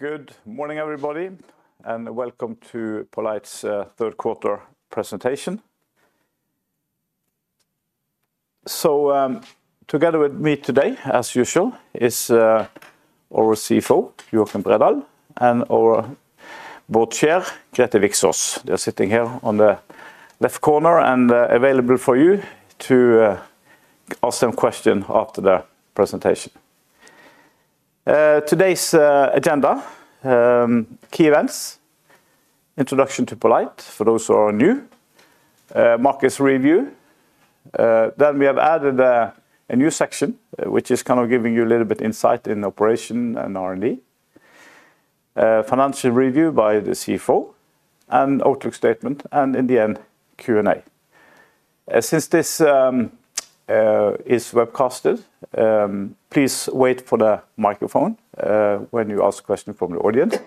Good morning, everybody, and welcome to poLight's third quarter presentation. Together with me today, as usual, is our CFO, Joakim Bredahl, and our Board Chair, Grete Vikstås. They're sitting here on the left corner and available for you to ask them questions after the presentation. Today's agenda: key events, introduction to poLight for those who are new, market review. We have added a new section, which is kind of giving you a little bit of insight in operation and R&D, financial review by the CFO, an outlook statement, and in the end, Q&A. Since this is webcasted, please wait for the microphone when you ask a question from the audience.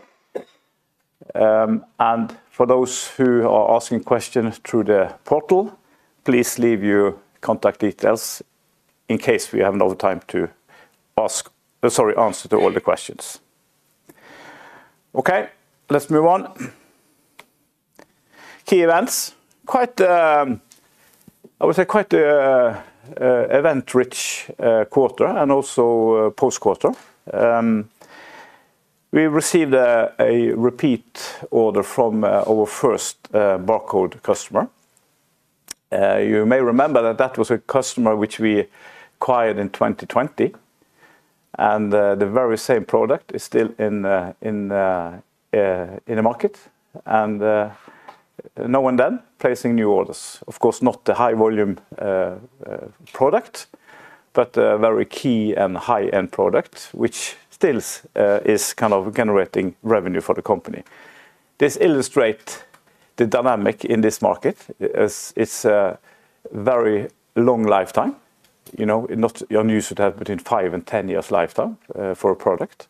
For those who are asking questions through the portal, please leave your contact details in case we have enough time to answer to all the questions. Okay, let's move on. Key events: I would say quite an event-rich quarter and also post-quarter. We received a repeat order from our first barcode customer. You may remember that that was a customer which we acquired in 2020, and the very same product is still in the market. Now and then, placing new orders. Of course, not the high-volume product, but a very key and high-end product, which still is kind of generating revenue for the company. This illustrates the dynamic in this market. It's a very long lifetime. Your news would have between five and ten years lifetime for a product.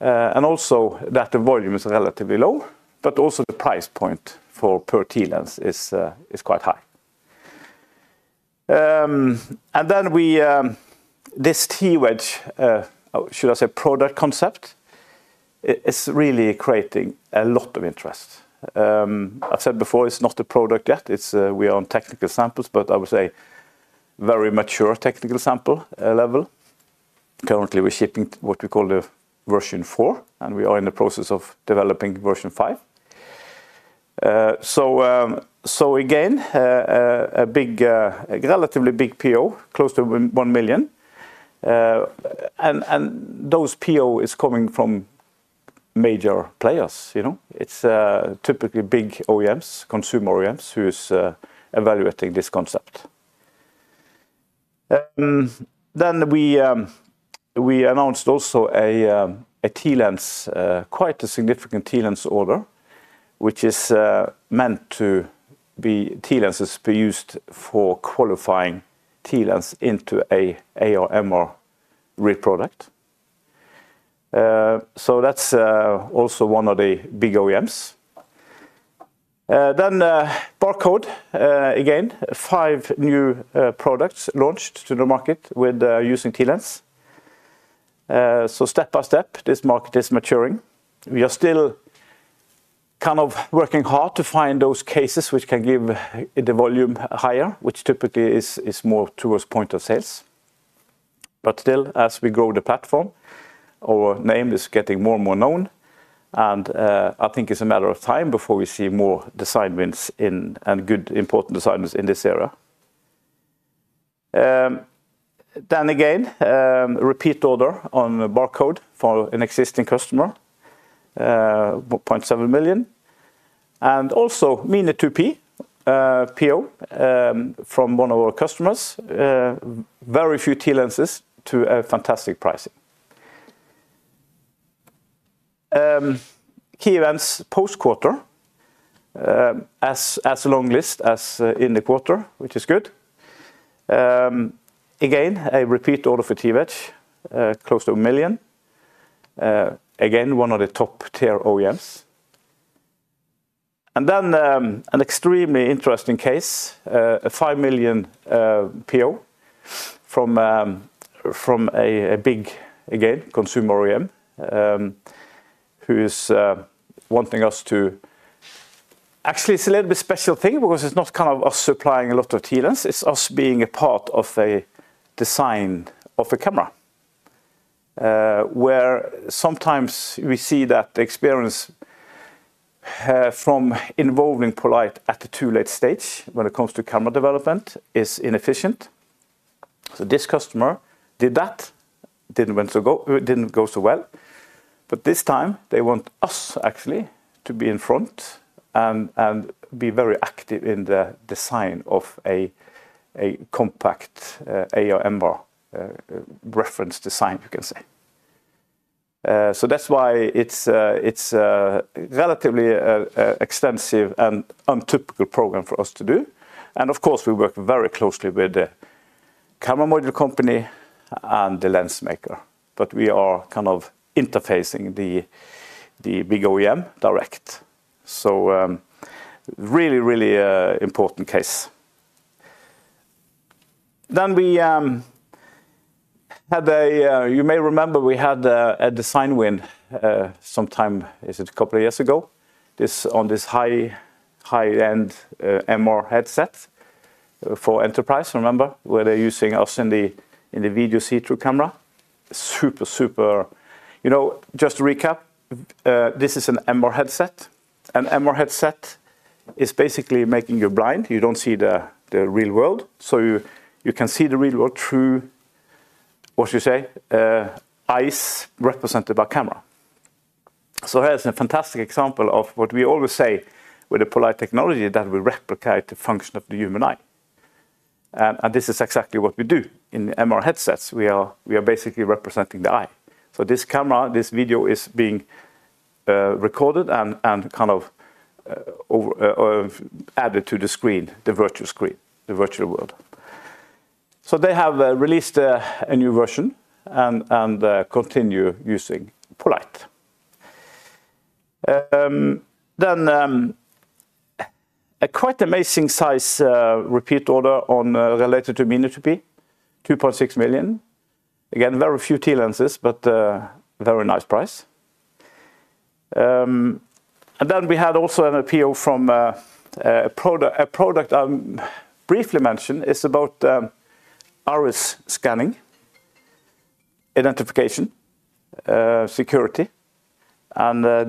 Also, the volume is relatively low, but the price point per TLens is quite high. This T-Wedge, should I say product concept, is really creating a lot of interest. I've said before, it's not a product yet. We are on technical samples, but I would say a very mature technical sample level. Currently, we're shipping what we call the version four, and we are in the process of developing version five. Again, a relatively big PO, close to $1 million. Those POs are coming from major players. It's typically big OEMs, consumer OEMs, who are evaluating this concept. We announced also a TLens, quite a significant TLens order, which is meant to be TLens that's used for qualifying TLens into an AR/MR RIP product. That's also one of the big OEMs. Barcode, again, five new products launched to the market using TLens. Step by step, this market is maturing. We are still kind of working hard to find those cases which can give the volume higher, which typically is more towards point of sales. Still, as we grow the platform, our name is getting more and more known. I think it's a matter of time before we see more design wins and good, important designs in this area. Again, repeat order on the barcode for an existing customer, $1.7 million. Also, Mini2P PO from one of our customers, very few TLens to fantastic pricing. Key events post-quarter, as long-listed as in the quarter, which is good. Again, a repeat order for T-Wedge, close to $1 million. Again, one of the top-tier OEMs. An extremely interesting case, a $5 million PO from a big, again, consumer OEM who is wanting us to... Actually, it's a little bit special thing because it's not kind of us supplying a lot of TLens. It's us being a part of the design of a camera. Sometimes we see that the experience from involving poLight at a too late stage when it comes to camera development is inefficient. This customer did that, didn't go so well. This time, they want us actually to be in front and be very active in the design of a compact AR/MR reference design, you can say. That's why it's a relatively extensive and untypical program for us to do. Of course, we work very closely with the camera module company and the lens maker. We are kind of interfacing with the big OEM direct. Really, really important case. You may remember we had a design win sometime, is it a couple of years ago? This on this high-end MR headset for enterprise, remember, where they're using us in the video see-through camera. Super, super... Just to recap, this is an MR headset. An MR headset is basically making you blind. You don't see the real world. You can see the real world through, what you say, eyes represented by camera. Here's a fantastic example of what we always say with a poLight technology that we replicate the function of the human eye. This is exactly what we do in MR headsets. We are basically representing the eye. This camera, this video is being recorded and kind of added to the screen, the virtual screen, the virtual world. They have released a new version and continue using poLight. A quite amazing size repeat order related to Mini2P, $2.6 million. Again, very few TLens, but a very nice price. We had also a PO from a product I briefly mentioned. It's about iris scanning, identification, security.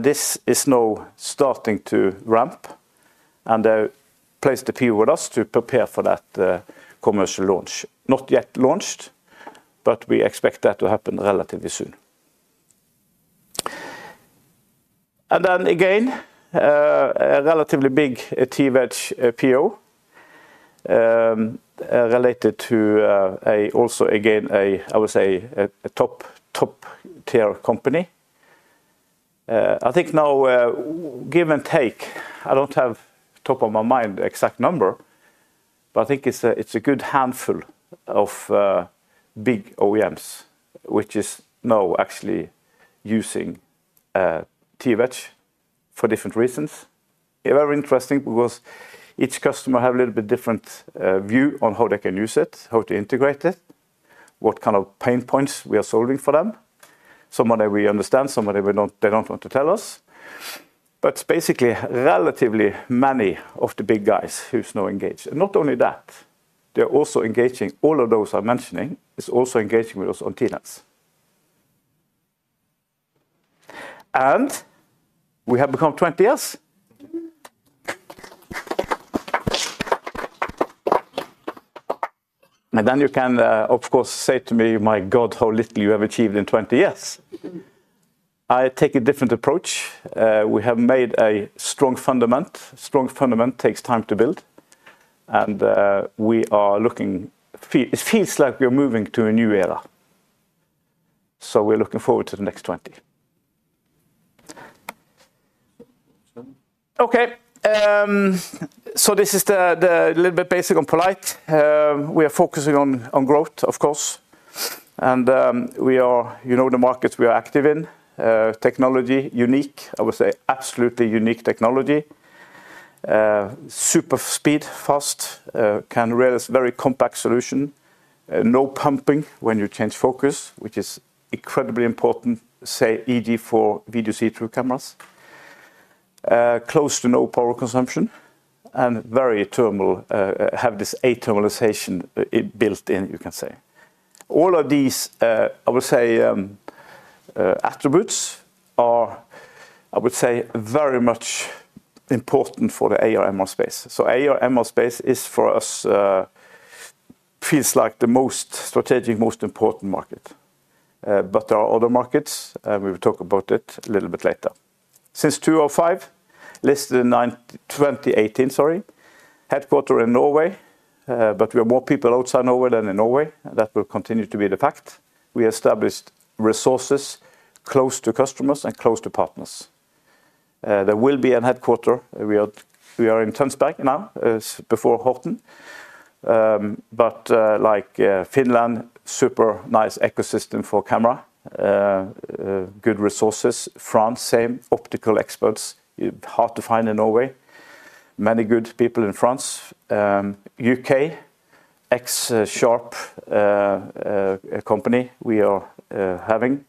This is now starting to ramp. They placed a PO with us to prepare for that commercial launch. Not yet launched, but we expect that to happen relatively soon. Then again, a relatively big T-Wedge PO related to a, also again, I would say a top-tier company. I think now, give and take, I don't have top of my mind the exact number, but I think it's a good handful of big OEMs which are now actually using T-Wedge for different reasons. Very interesting because each customer has a little bit different view on how they can use it, how to integrate it, what kind of pain points we are solving for them. Some of them we understand, some of them they don't want to tell us. Basically, relatively many of the big guys who are now engaged. Not only that, they're also engaging, all of those I'm mentioning are also engaging with us on TLens. We have become 20 years. You can, of course, say to me, "My God, how little you have achieved in 20 years." I take a different approach. We have made a strong fundament. Strong fundament takes time to build. We are looking, it feels like we are moving to a new era. We're looking forward to the next 20. Okay, this is a little bit basic on poLight. We are focusing on growth, of course. We are, you know, the markets we are active in. Technology, unique, I would say absolutely unique technology. Super speed, fast, can raise a very compact solution. No pumping when you change focus, which is incredibly important, say, e.g. for video see-through cameras. Close to no power consumption and very thermal, have this athermalization built in, you can say. All of these, I would say, attributes are, I would say, very much important for the AR/MR space. AR/MR space is for us, feels like the most strategic, most important market. There are other markets, and we will talk about it a little bit later. Since 2005, listed in 2018, sorry, headquarter in Norway, but we have more people outside Norway than in Norway. That will continue to be the fact. We established resources close to customers and close to partners. There will be a headquarter. We are in Tønsberg now, before Horten. Like Finland, super nice ecosystem for camera, good resources. France, same optical experts, hard to find in Norway. Many good people in France. UK, X-Sharp company, we are having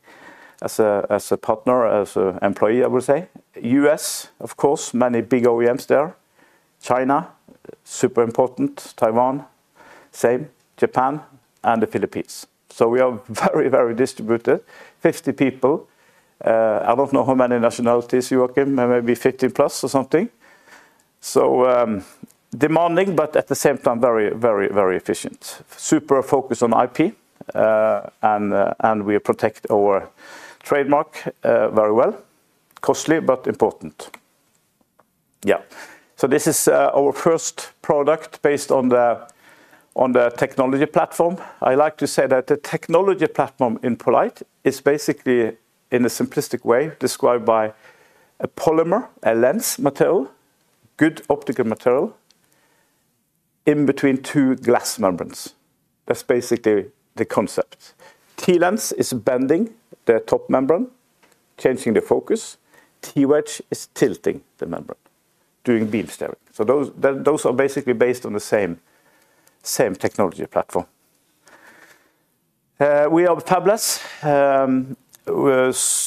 as a partner, as an employee, I would say. US, of course, many big OEMs there. China, super important. Taiwan, same. Japan and the Philippines. We are very, very distributed. 50 people. I don't know how many nationalities you work in, maybe 15 plus or something. So demanding, but at the same time, very, very, very efficient. Super focused on IP, and we protect our trademark very well. Costly, but important. Yeah. This is our first product based on the technology platform. I like to say that the technology platform in poLight is basically, in a simplistic way, described by a polymer, a lens material, good optical material, in between two glass membranes. That's basically the concept. TLens is bending the top membrane, changing the focus. T-Wedge is tilting the membrane, doing beam staring. Those are basically based on the same technology platform. We are fabless.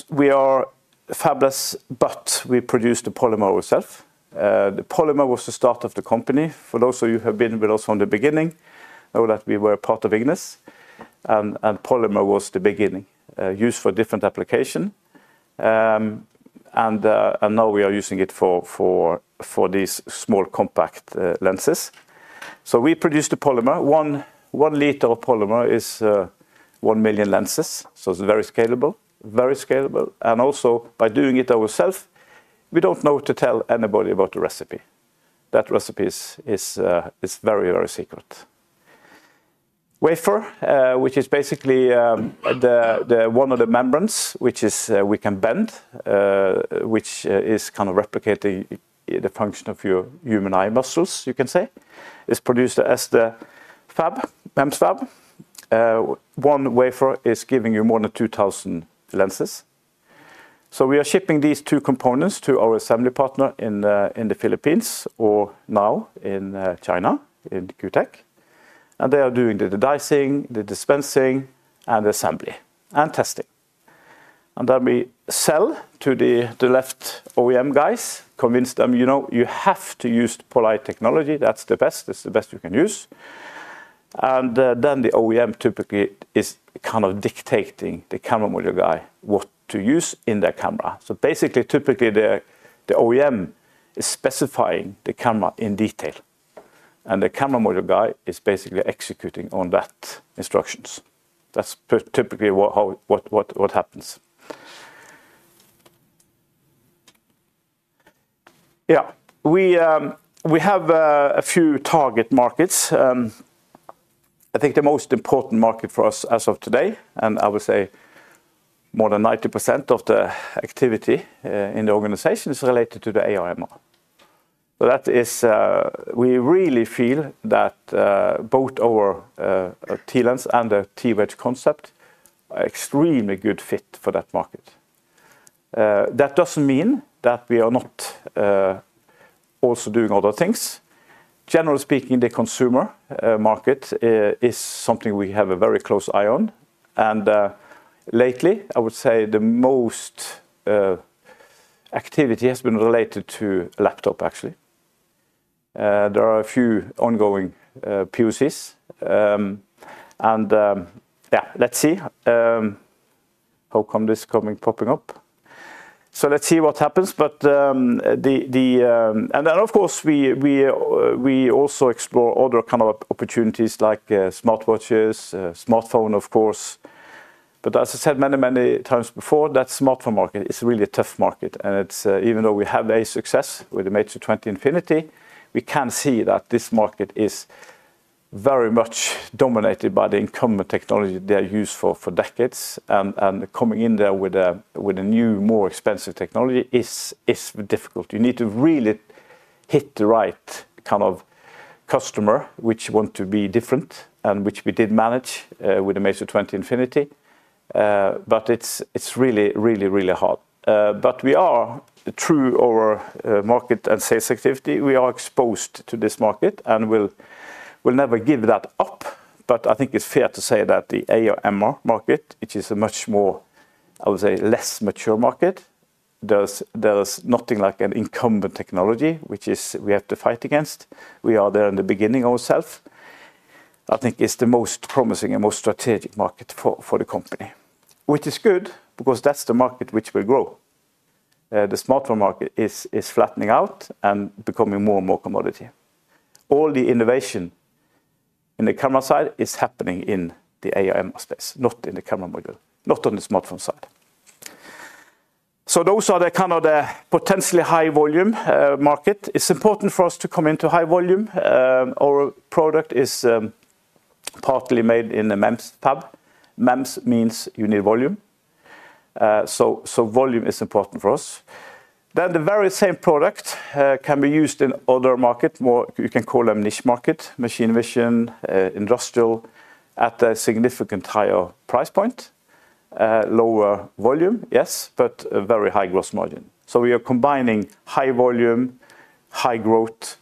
We are fabless, but we produce the polymer ourselves. The polymer was the start of the company. For those of you who have been with us from the beginning, know that we were part of Ignis. Polymer was the beginning, used for different applications. Now we are using it for these small compact lenses. We produce the polymer. One liter of polymer is one million lenses. It's very scalable, very scalable. Also, by doing it ourselves, we don't have to tell anybody about the recipe. That recipe is very, very secret. Wafer, which is basically one of the membranes which we can bend, which is kind of replicating the function of your human eye muscles, you can say, is produced as the fab, MEMS fab. One wafer is giving you more than 2,000 lenses. We are shipping these two components to our assembly partner in the Philippines, or now in China, in Q Tech. They are doing the dicing, the dispensing, and the assembly, and testing. Then we sell to the left OEM guys, convince them, you know, you have to use the poLight technology. That's the best. It's the best you can use. The OEM typically is kind of dictating the camera module guy what to use in their camera. Basically, typically, the OEM is specifying the camera in detail. The camera module guy is basically executing on that instructions. That's typically what happens. Yeah. We have a few target markets. I think the most important market for us as of today, and I would say more than 90% of the activity in the organization is related to the AR/MR. We really feel that both our TLens and the T-Wedge concept are an extremely good fit for that market. That doesn't mean that we are not also doing other things. Generally speaking, the consumer market is something we have a very close eye on. Lately, I would say the most activity has been related to a laptop, actually. There are a few ongoing POCs. Let's see what happens. Of course, we also explore other kinds of opportunities like smartwatches and smartphone, of course. As I said many, many times before, that smartphone market is really a tough market. Even though we have a success with the Mate 20 Infinity, we can see that this market is very much dominated by the incumbent technology they have used for decades. Coming in there with a new, more expensive technology is difficult. You need to really hit the right kind of customer which wants to be different, and which we did manage with the Mate 20 Infinity. It's really, really, really hard. We are, through our market and sales activity, exposed to this market and will never give that up. I think it's fair to say that the AR/MR market, which is a much more, I would say, less mature market, there is nothing like an incumbent technology which we have to fight against. We are there in the beginning ourselves. I think it's the most promising and most strategic market for the company, which is good because that's the market which will grow. The smartphone market is flattening out and becoming more and more commodity. All the innovation in the camera side is happening in the AR/MR space, not in the camera module, not on the smartphone side. Those are the potentially high volume markets. It's important for us to come into high volume. Our product is partly made in the MEMS fab. MEMS means you need volume. Volume is important for us. The very same product can be used in other markets, you can call them niche markets, machine vision, industrial, at a significantly higher price point. Lower volume, yes, but very high gross margin. We are combining high volume, high growth,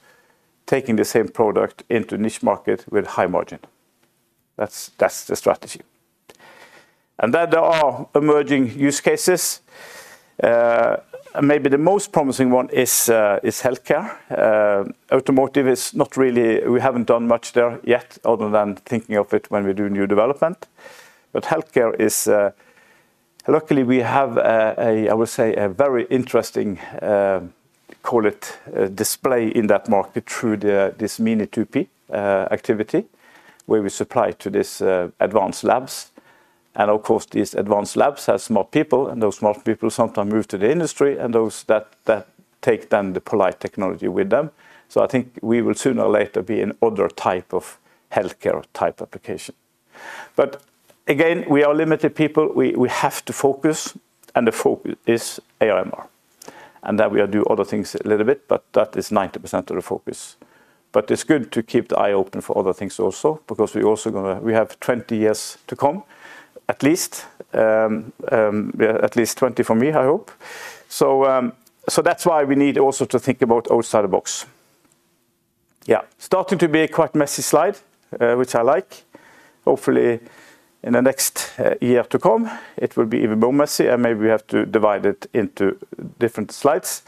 taking the same product into a niche market with a high margin. That's the strategy. There are emerging use cases. Maybe the most promising one is healthcare. Automotive is not really, we haven't done much there yet other than thinking of it when we do new development. Healthcare is, luckily, we have a, I would say, a very interesting, call it, display in that market through this Mini2P activity, where we supply to these advanced labs. Of course, these advanced labs have smart people, and those smart people sometimes move to the industry, and those take then the poLight technology with them. I think we will sooner or later be in other types of healthcare type application. Again, we are limited people. We have to focus, and the focus is AR/MR. We do other things a little bit, but that is 90% of the focus. It's good to keep the eye open for other things also, because we also have 20 years to come, at least. At least 20 for me, I hope. That's why we need also to think about outside the box. Yeah, starting to be a quite messy slide, which I like. Hopefully, in the next year to come, it will be even more messy, and maybe we have to divide it into different slides.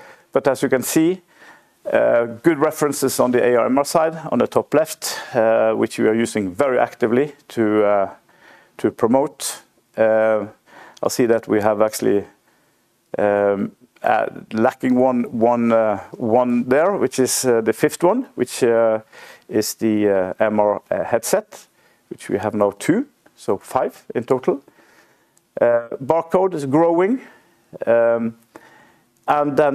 As you can see, good references on the AR/MR side on the top left, which we are using very actively to promote. I see that we have actually lacking one there, which is the fifth one, which is the MR headset, which we have now two, so five in total. Barcode is growing.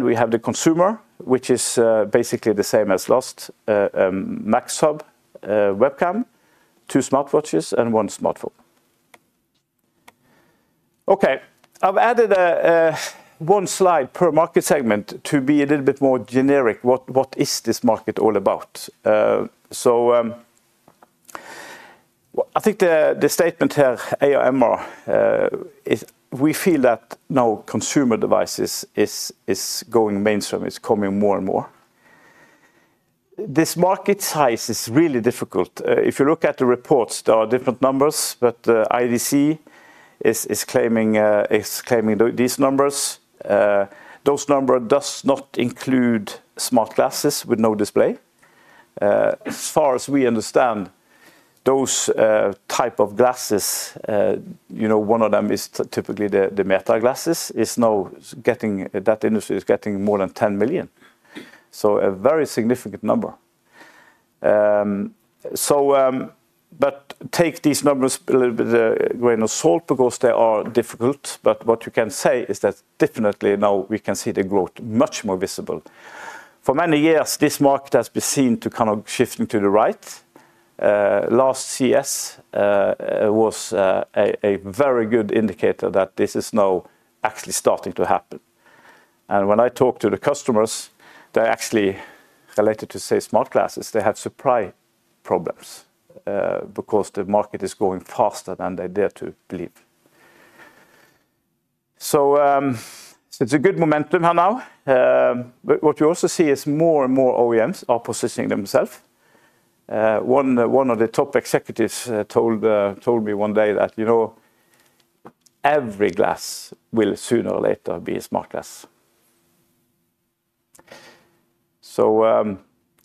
We have the consumer, which is basically the same as last: Max Hub webcam, two smartwatches, and one smartphone. Okay, I've added one slide per market segment to be a little bit more generic. What is this market all about? I think the statement here, AR/MR, is we feel that now consumer devices are going mainstream. It's coming more and more. This market size is really difficult. If you look at the reports, there are different numbers, but IDC is claiming these numbers. Those numbers do not include smart glasses with no display. As far as we understand, those types of glasses, you know, one of them is typically the Meta glasses, is now getting, that industry is getting more than 10 million. A very significant number. Take these numbers with a grain of salt because they are difficult. What you can say is that definitely now we can see the growth much more visible. For many years, this market has been seen to kind of shifting to the right. Last CS was a very good indicator that this is now actually starting to happen. When I talk to the customers, they actually related to, say, smart glasses, they had surprise problems because the market is going faster than they dare to believe. It's a good momentum here now. What you also see is more and more OEMs are positioning themselves. One of the top executives told me one day that, you know, every glass will sooner or later be a smart glass.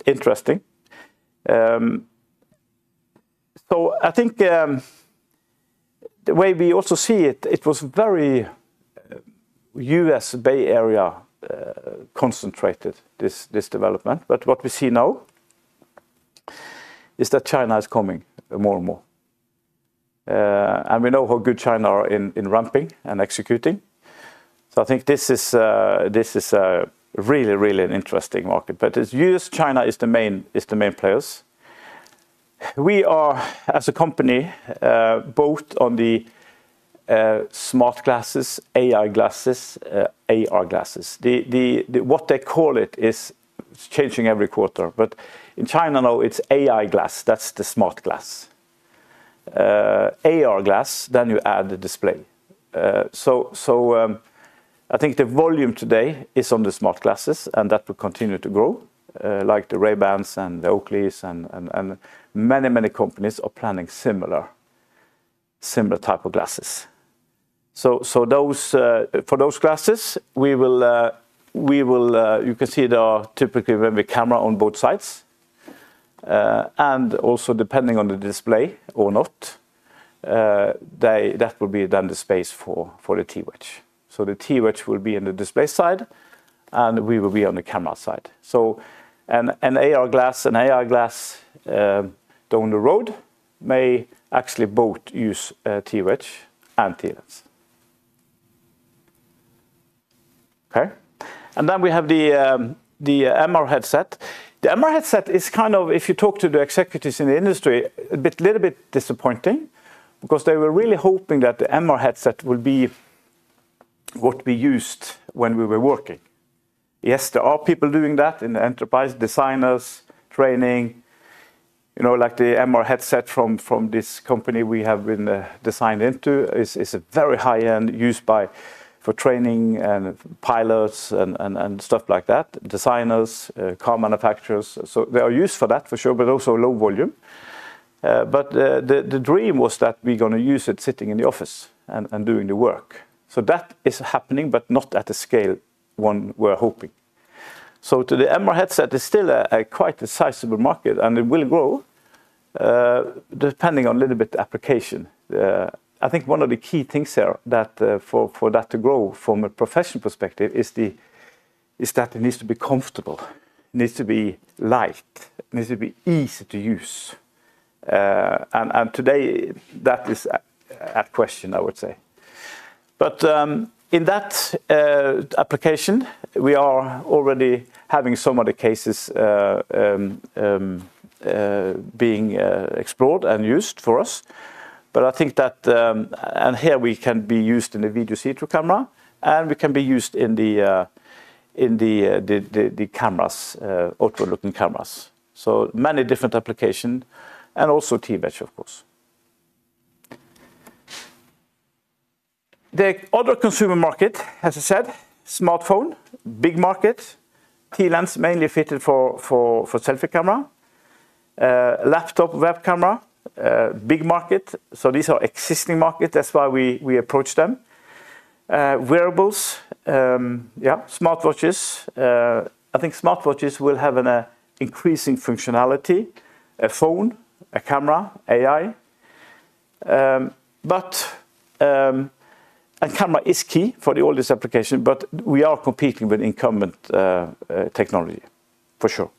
Interesting. I think the way we also see it, it was very U.S. Bay Area concentrated, this development. What we see now is that China is coming more and more. We know how good China is in ramping and executing. I think this is really, really an interesting market. It's U.S., China is the main players. We are, as a company, both on the smart glasses, AI glasses, AR glasses. What they call it is changing every quarter. In China, now it's AI glass. That's the smart glass. AR glass, then you add the display. I think the volume today is on the smart glasses, and that will continue to grow. Like the Ray-Bans and the Oakleys, and many, many companies are planning similar types of glasses. For those glasses, you can see there are typically when we have a camera on both sides. Also, depending on the display or not, that will be then the space for the T-Wedge. The T-Wedge will be on the display side, and we will be on the camera side. An AR glass and AR glass down the road may actually both use T-Wedge and TLens. We have the MR headset. The MR headset is kind of, if you talk to the executives in the industry, a little bit disappointing because they were really hoping that the MR headset would be what we used when we were working. Yes, there are people doing that in the enterprise, designers, training. Like the MR headset from this company we have been designed into is a very high-end, used for training and pilots and stuff like that. Designers, car manufacturers. They are used for that, for sure, but also low volume. The dream was that we're going to use it sitting in the office and doing the work. That is happening, but not at the scale one was hoping. To the MR headset, it's still a quite sizable market, and it will grow depending on a little bit of the application. I think one of the key things here for that to grow from a professional perspective is that it needs to be comfortable. It needs to be light. It needs to be easy to use. Today, that is at question, I would say. In that application, we are already having so many cases being explored and used for us. I think that, and here we can be used in a video see-through camera, and we can be used in the cameras, outward-looking cameras. Many different applications, and also T-Wedge, of course. The other consumer market, as I said, smartphone, big market, TLens mainly fitted for selfie camera, laptop web camera, big market. These are existing markets, that's why we approach them. Wearables, yeah, smartwatches. I think smartwatches will have increasing functionality: a phone, a camera, AI. A camera is key for all these applications, but we are competing with incumbent technology, for sure.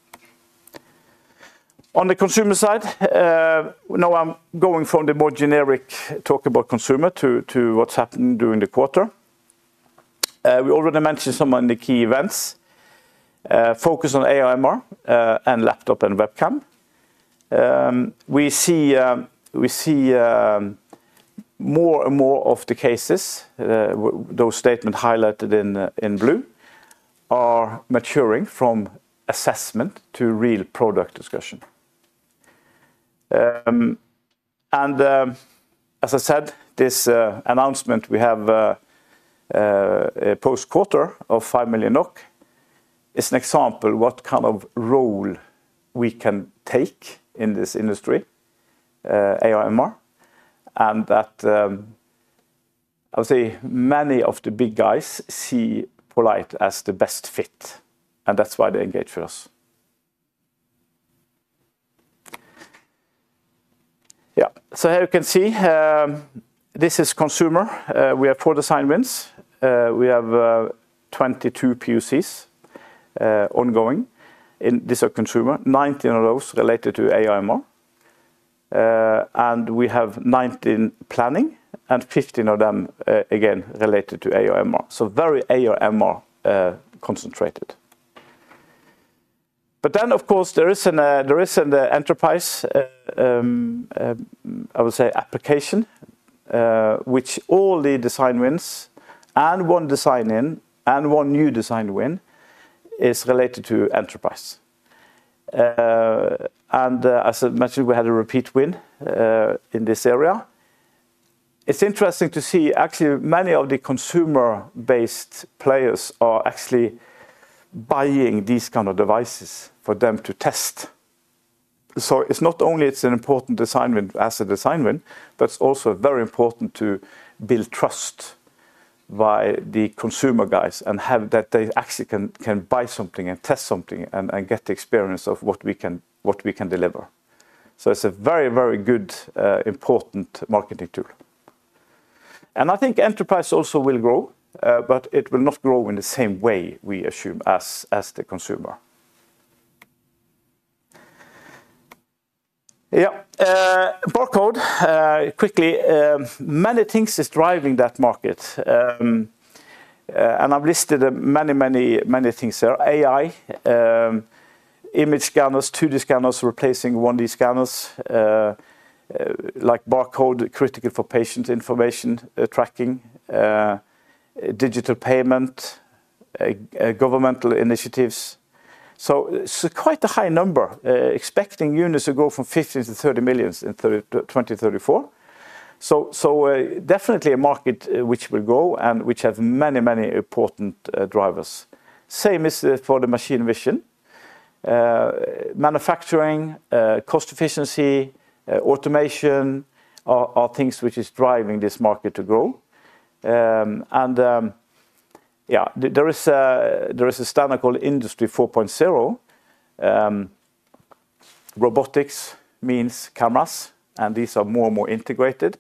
On the consumer side, now I'm going from the more generic talk about consumer to what's happened during the quarter. We already mentioned some of the key events. Focus on AR/MR and laptop and webcam. We see more and more of the cases, those statements highlighted in blue, are maturing from assessment to real product discussion. As I said, this announcement we have a post-quarter of 5 million NOK. It's an example of what kind of role we can take in this industry, AR/MR. I would say many of the big guys see poLight as the best fit, and that's why they engage with us. Here you can see, this is consumer. We have four design wins. We have 22 POCs ongoing. These are consumer. 19 of those related to AR/MR. We have 19 planning, and 15 of them, again, related to AR/MR. Very AR/MR concentrated. There is an enterprise, I would say, application, which all the design wins, and one design win, and one new design win is related to enterprise. As I mentioned, we had a repeat win in this area. It's interesting to see, actually, many of the consumer-based players are actually buying these kinds of devices for them to test. It's not only an important design win as a design win, but it's also very important to build trust by the consumer guys and have that they actually can buy something and test something and get the experience of what we can deliver. It's a very, very good, important marketing tool. I think enterprise also will grow, but it will not grow in the same way we assume as the consumer. Barcode quickly. Many things are driving that market. I've listed many, many, many things here. AI, image scanners, 2D scanners replacing 1D scanners, like barcode critical for patient information tracking, digital payment, governmental initiatives. It's quite a high number, expecting units to go from 15 million to 30 million in 2034. Definitely a market which will grow and which has many, many important drivers. Same is for the machine vision. Manufacturing, cost efficiency, automation are things which are driving this market to grow. There is a standard called Industry 4.0. Robotics means cameras, and these are more and more integrated.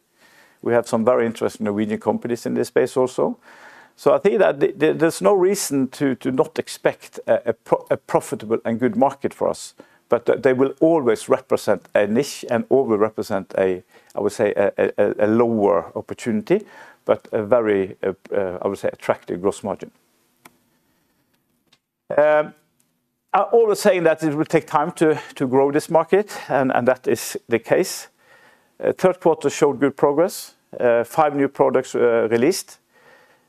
We have some very interesting Norwegian companies in this space also. I think that there's no reason to not expect a profitable and good market for us. They will always represent a niche and always represent a, I would say, a lower opportunity, but a very, I would say, attractive gross margin. I'm always saying that it will take time to grow this market, and that is the case. Third quarter showed good progress. Five new products were released.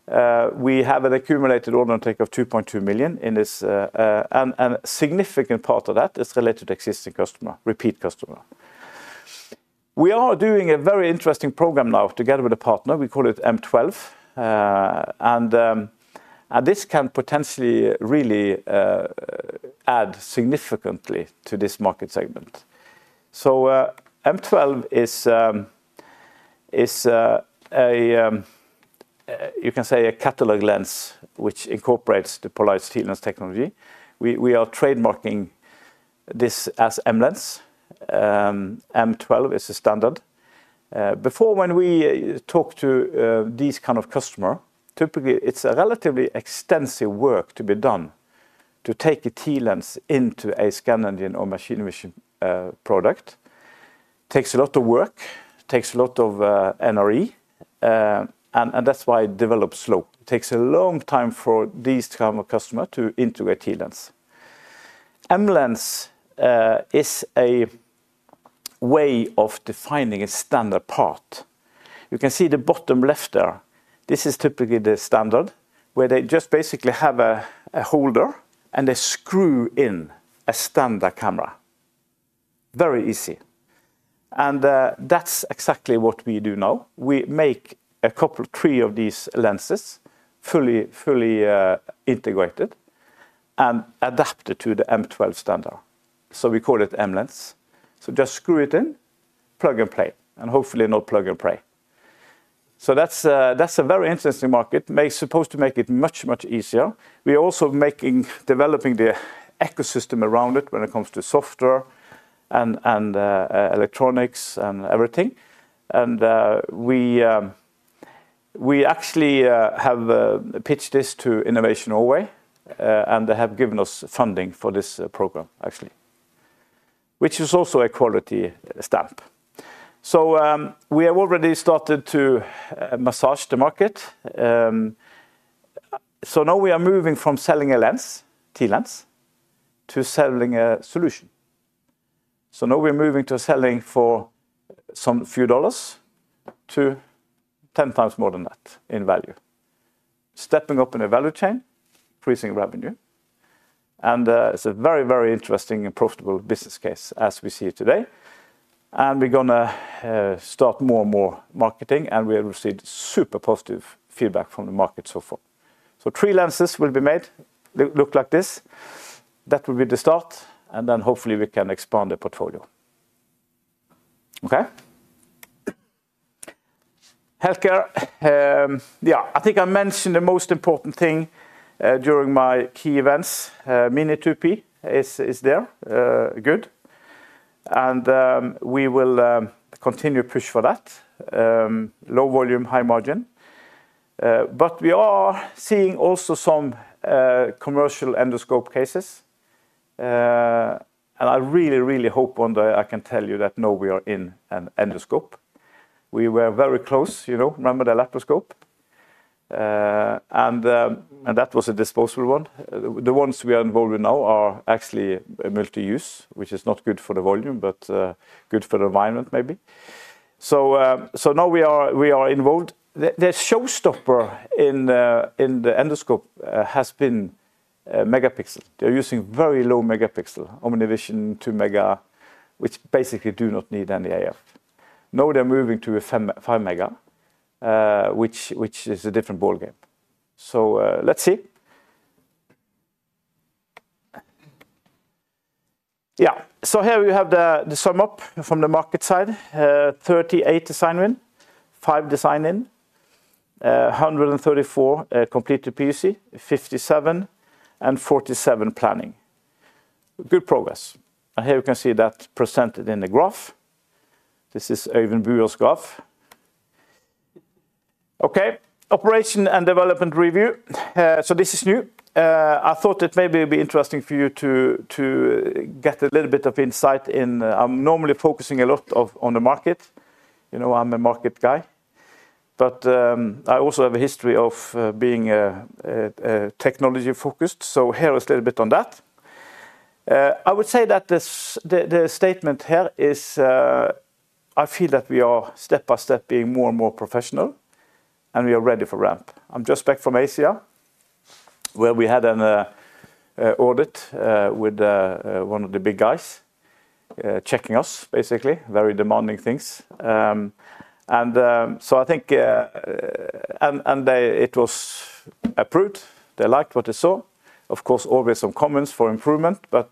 We have an accumulated order intake of $2.2 million in this, and a significant part of that is related to existing customers, repeat customers. We are doing a very interesting program now together with a partner. We call it M12. This can potentially really add significantly to this market segment. M12 is a, you can say, a catalog lens which incorporates the poLight TLens technology. We are trademarking this as MLens. M12 is a standard. Before, when we talk to these kinds of customers, typically it's a relatively extensive work to be done to take a TLens into a scan engine or machine vision product. It takes a lot of work, it takes a lot of NRE, and that's why it develops slowly. It takes a long time for these kinds of customers to integrate TLens. MLens is a way of defining a standard part. You can see the bottom left there. This is typically the standard where they just basically have a holder and they screw in a standard camera. Very easy. That's exactly what we do now. We make a couple, three of these lenses fully integrated and adapted to the M12 standard. We call it MLens. Just screw it in, plug and play, and hopefully no plug and play. That's a very interesting market. It's supposed to make it much, much easier. We are also developing the ecosystem around it when it comes to software and electronics and everything. We actually have pitched this to Innovation Norway, and they have given us funding for this program, actually, which is also a quality stamp. We have already started to massage the market. Now we are moving from selling a lens, TLens, to selling a solution. Now we are moving to selling for some few dollars to 10 times more than that in value. Stepping up in the value chain, increasing revenue. It's a very, very interesting and profitable business case as we see it today. We are going to start more and more marketing, and we have received super positive feedback from the market so far. So three lenses will be made. They look like this. That will be the start, and then hopefully we can expand the portfolio. Okay. Healthcare. I think I mentioned the most important thing during my key events. Mini2P is there, good. We will continue to push for that. Low volume, high margin. We are seeing also some commercial endoscope cases. I really, really hope one day I can tell you that now we are in an endoscope. We were very close, you know, remember the laparoscope? That was a disposable one. The ones we are involved in now are actually multi-use, which is not good for the volume, but good for the environment maybe. Now we are involved. The showstopper in the endoscope has been megapixel. They're using very low megapixel, Omnivision 2 mega, which basically do not need any AF. Now they're moving to a 5 mega, which is a different ballgame. Let's see. Here you have the sum up from the market side. 38 design win, 5 design in, 134 completed POC, 57, and 47 planning. Good progress. Here you can see that percentage in the graph. This is Eyvind Buer's graph. Operation and development review. This is new. I thought it may be interesting for you to get a little bit of insight in. I'm normally focusing a lot on the market. You know, I'm a market guy. I also have a history of being technology-focused. Here is a little bit on that. I would say that the statement here is I feel that we are step by step being more and more professional, and we are ready for ramp. I'm just back from Asia where we had an audit with one of the big guys checking us, basically, very demanding things. I think it was approved. They liked what they saw. Of course, always some comments for improvement, but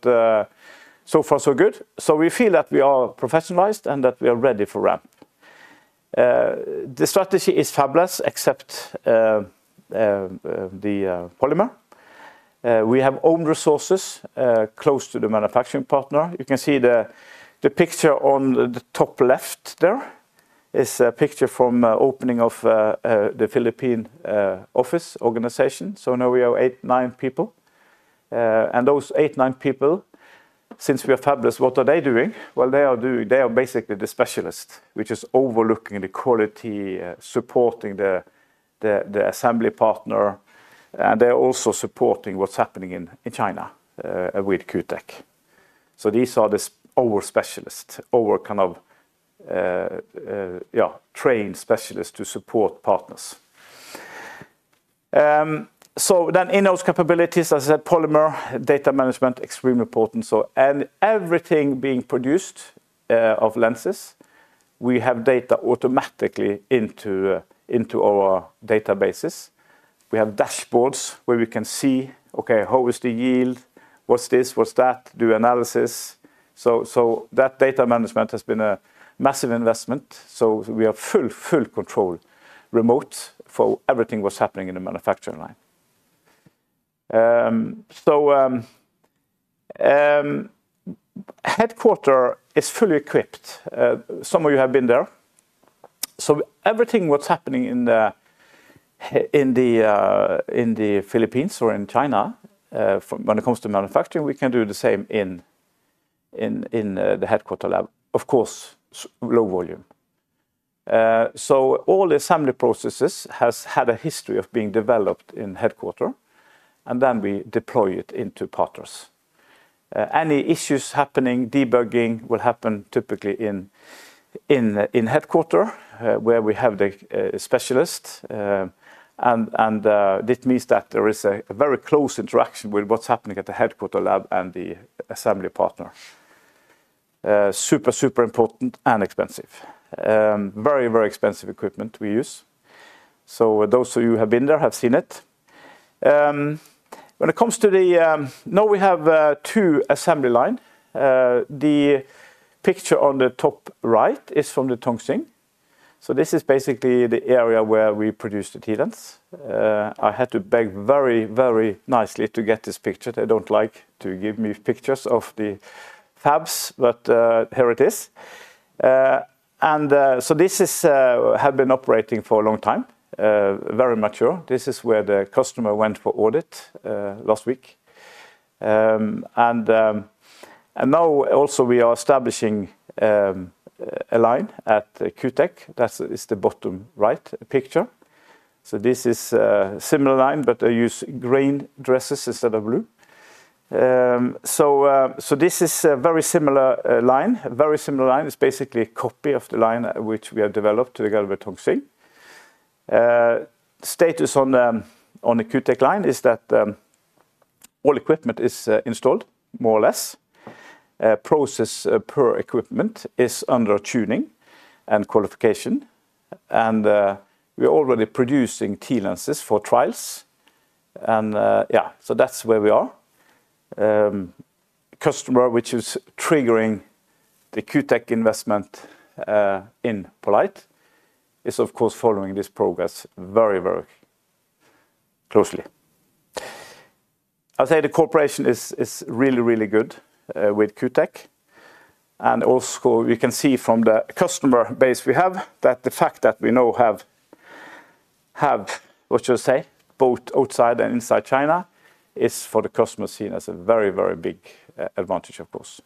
so far so good. We feel that we are professionalized and that we are ready for ramp. The strategy is fabless except the polymer. We have owned resources close to the manufacturing partner. You can see the picture on the top left there. It's a picture from the opening of the Philippine office organization. Now we have eight, nine people. Those eight, nine people, since we are fabless, what are they doing? They are basically the specialist, which is overlooking the quality, supporting the assembly partner, and they are also supporting what's happening in China with Q Tech. These are our specialists, our kind of trained specialists to support partners. In-house capabilities, as I said, polymer, data management, extremely important. Everything being produced of lenses, we have data automatically into our databases. We have dashboards where we can see, okay, how is the yield? What's this, what's that? Do analysis. That data management has been a massive investment. We have full control remote for everything that's happening in the manufacturing line. Headquarter is fully equipped. Some of you have been there. Everything that's happening in the Philippines or in China, when it comes to manufacturing, we can do the same in the headquarter lab, of course, low volume. All the assembly processes have had a history of being developed in headquarter, and then we deploy it into partners. Any issues happening, debugging will happen typically in headquarter where we have the specialist. It means that there is a very close interaction with what's happening at the headquarter lab and the assembly partner. Super, super important and expensive. Very, very expensive equipment we use. Those of you who have been there have seen it. When it comes to the, now we have two assembly lines. The picture on the top right is from the Tongxing. This is basically the area where we produce the TLens. I had to beg very, very nicely to get this picture. They don't like to give me pictures of the fabs, but here it is. This has been operating for a long time, very mature. This is where the customer went for audit last week. Now also we are establishing a line at Q Tech. That is the bottom right picture. This is a similar line, but they use green dresses instead of blue. This is a very similar line. A very similar line is basically a copy of the line which we have developed together with Tongxing. The status on the Q Tech line is that all equipment is installed, more or less. Process per equipment is under tuning and qualification. We are already producing TLenses for trials. That's where we are. Customer which is triggering the Q Tech investment in poLight is of course following this progress very, very closely. I'd say the cooperation is really, really good with Q Tech. Also we can see from the customer base we have that the fact that we now have, what should I say, both outside and inside China is for the customer seen as a very, very big advantage, of course.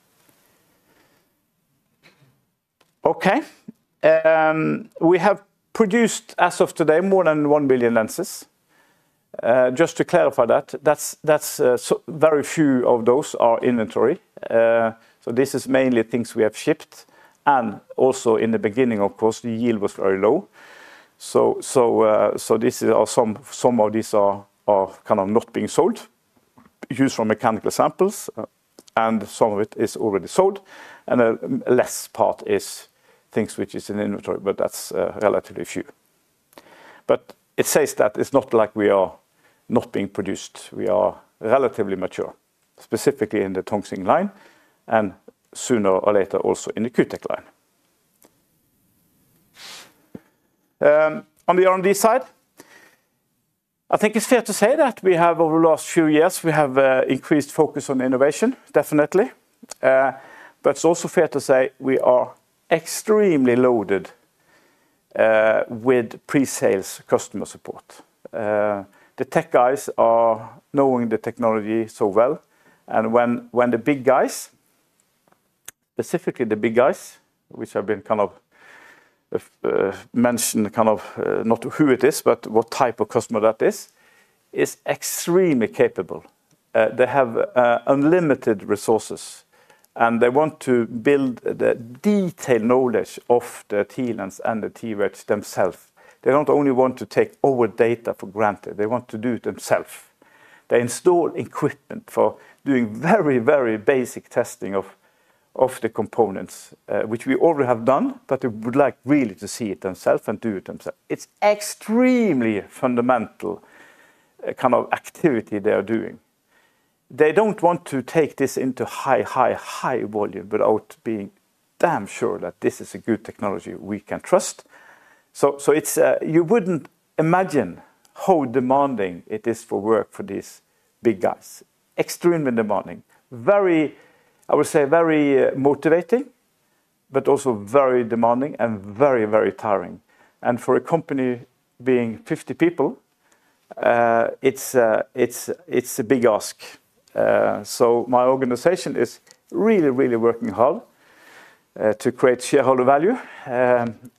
We have produced as of today more than 1 million lenses. Just to clarify that, very few of those are inventory. This is mainly things we have shipped. Also, in the beginning, of course, the yield was very low. Some of these are kind of not being sold, used for mechanical samples, and some of it is already sold. The less part is things which are in inventory, but that's relatively few. It says that it's not like we are not being produced. We are relatively mature, specifically in the Tongxing line, and sooner or later also in the Q Group line. On the R&D side, I think it's fair to say that over the last few years, we have increased focus on innovation, definitely. It's also fair to say we are extremely loaded with pre-sales customer support. The tech guys are knowing the technology so well. When the big guys, specifically the big guys, which I've been kind of mentioning, kind of not who it is, but what type of customer that is, is extremely capable. They have unlimited resources, and they want to build the detailed knowledge of the TLens and the T-Wedge themselves. They don't only want to take our data for granted. They want to do it themselves. They install equipment for doing very, very basic testing of the components, which we already have done, but they would really like to see it themselves and do it themselves. It's an extremely fundamental kind of activity they are doing. They don't want to take this into high, high, high volume without being damn sure that this is a good technology we can trust. You wouldn't imagine how demanding it is to work for these big guys. Extremely demanding. Very, I would say, very motivating, but also very demanding and very, very tiring. For a company being 50 people, it's a big ask. My organization is really, really working hard to create shareholder value.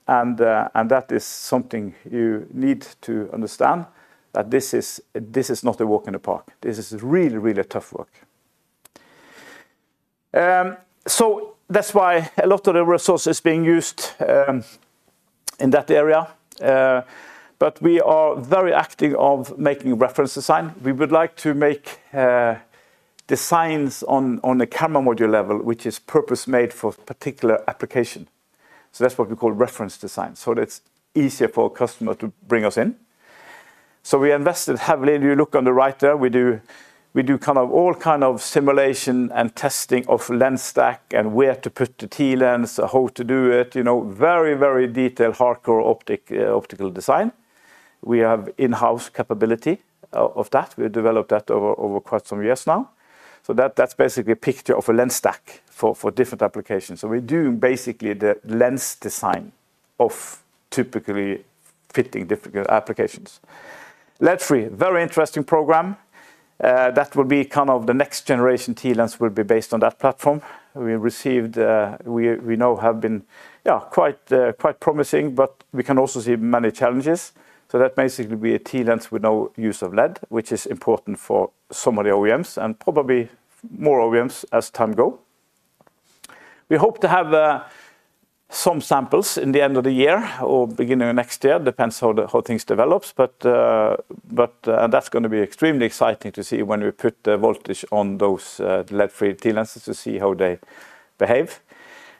That is something you need to understand, that this is not a walk in the park. This is really, really tough work. That's why a lot of the resources are being used in that area. We are very active on making reference design. We would like to make designs on the camera module level, which is purpose-made for a particular application. That's what we call reference design, so it's easier for a customer to bring us in. We invested heavily. If you look on the right there, we do kind of all kinds of simulation and testing of lens stack and where to put the TLens, how to do it, you know, very, very detailed, hardcore optical design. We have in-house capability of that. We've developed that over quite some years now. That's basically a picture of a lens stack for different applications. We're doing basically the lens design of typically fitting difficult applications. Lead-free, very interesting program. That will be kind of the next generation TLens will be based on that platform. We received, we know have been, yeah, quite promising, but we can also see many challenges. That basically will be a TLens with no use of lead, which is important for some of the OEMs and probably more OEMs as time goes. We hope to have some samples in the end of the year or beginning of next year. It depends how things develop. That's going to be extremely exciting to see when we put the voltage on those lead-free TLenses to see how they behave.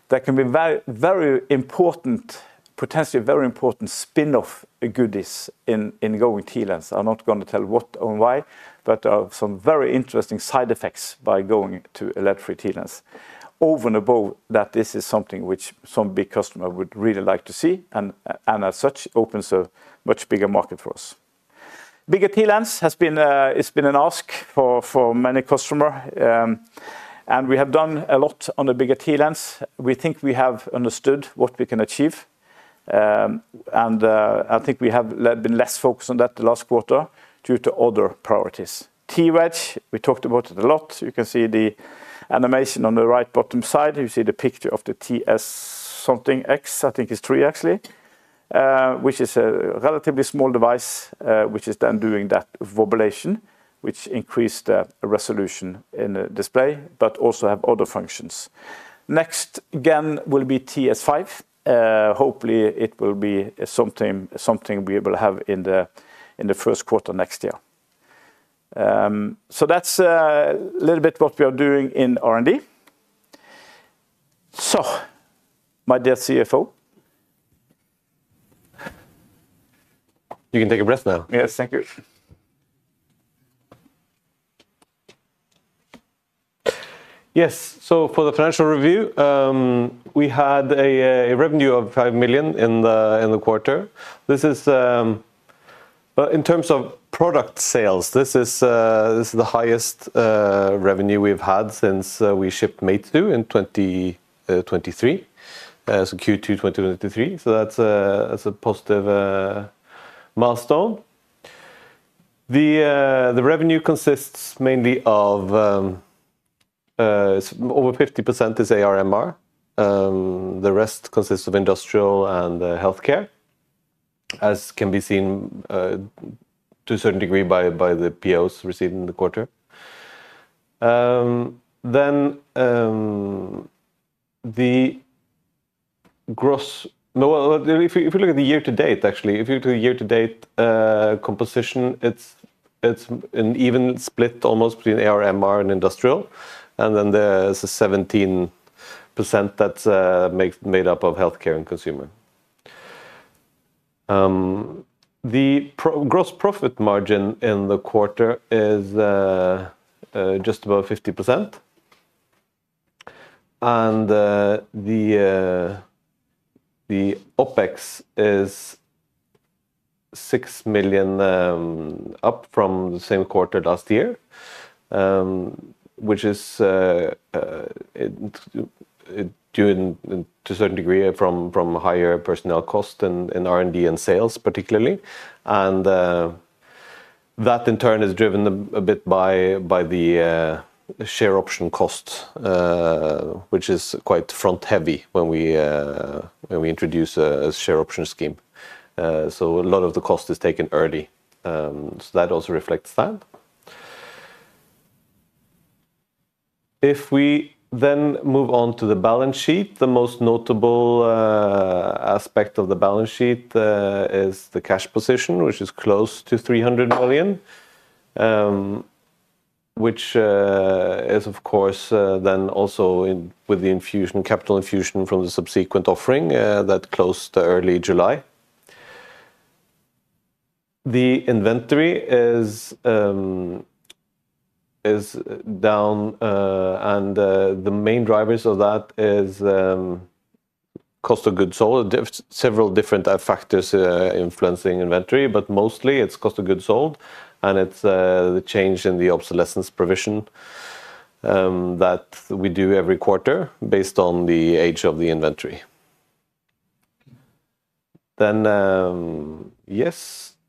That can be very important, potentially very important spin-off goodies in going TLens. I'm not going to tell what and why, but there are some very interesting side effects by going to a lead-free TLens. Over and above that, this is something which some big customers would really like to see, and as such, it opens a much bigger market for us. Bigger TLens has been an ask for many customers, and we have done a lot on the bigger TLens. We think we have understood what we can achieve, and I think we have been less focused on that the last quarter due to other priorities. T-Wedge, we talked about it a lot. You can see the animation on the right bottom side. You see the picture of the TS something X, I think it's three actually, which is a relatively small device, which is then doing that wobulation, which increases the resolution in the display, but also has other functions. Next, again, will be TS5. Hopefully, it will be something we will have in the first quarter next year. That's a little bit what we are doing in R&D. My dear CFO. You can take a breath now. Yes, thank you. Yes, for the financial review, we had a revenue of $5 million in the quarter. This is in terms of product sales. This is the highest revenue we've had since we shipped Mate 2 in 2023, Q2 2023. That's a positive milestone. The revenue consists mainly of over 50% AR/MR. The rest consists of industrial and healthcare, as can be seen to a certain degree by the POs received in the quarter. If you look at the year-to-date composition, it's an even split almost between AR/MR and industrial. There's a 17% that's made up of healthcare and consumer. The gross profit margin in the quarter is just above 50%. The OpEx is $6 million, up from the same quarter last year, which is due to a certain degree from higher personnel costs in R&D and sales particularly. That in turn is driven a bit by the share option costs, which is quite front-heavy when we introduce a share option scheme. A lot of the cost is taken early. That also reflects that. If we move on to the balance sheet, the most notable aspect of the balance sheet is the cash position, which is close to $300 million, which is of course also with the capital infusion from the subsequent offering that closed early July. The inventory is down, and the main drivers of that are cost of goods sold. There are several different factors influencing inventory, but mostly it's cost of goods sold, and it's the change in the obsolescence provision that we do every quarter based on the age of the inventory.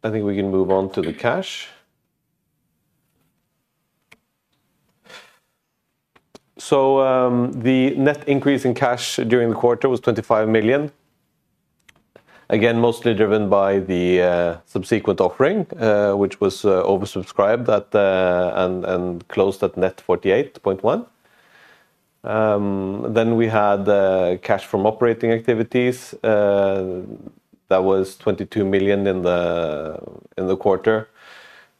I think we can move on to the cash. The net increase in cash during the quarter was $25 million, mostly driven by the subsequent offering, which was oversubscribed and closed at net $48.1 million. We had cash from operating activities of $22 million in the quarter,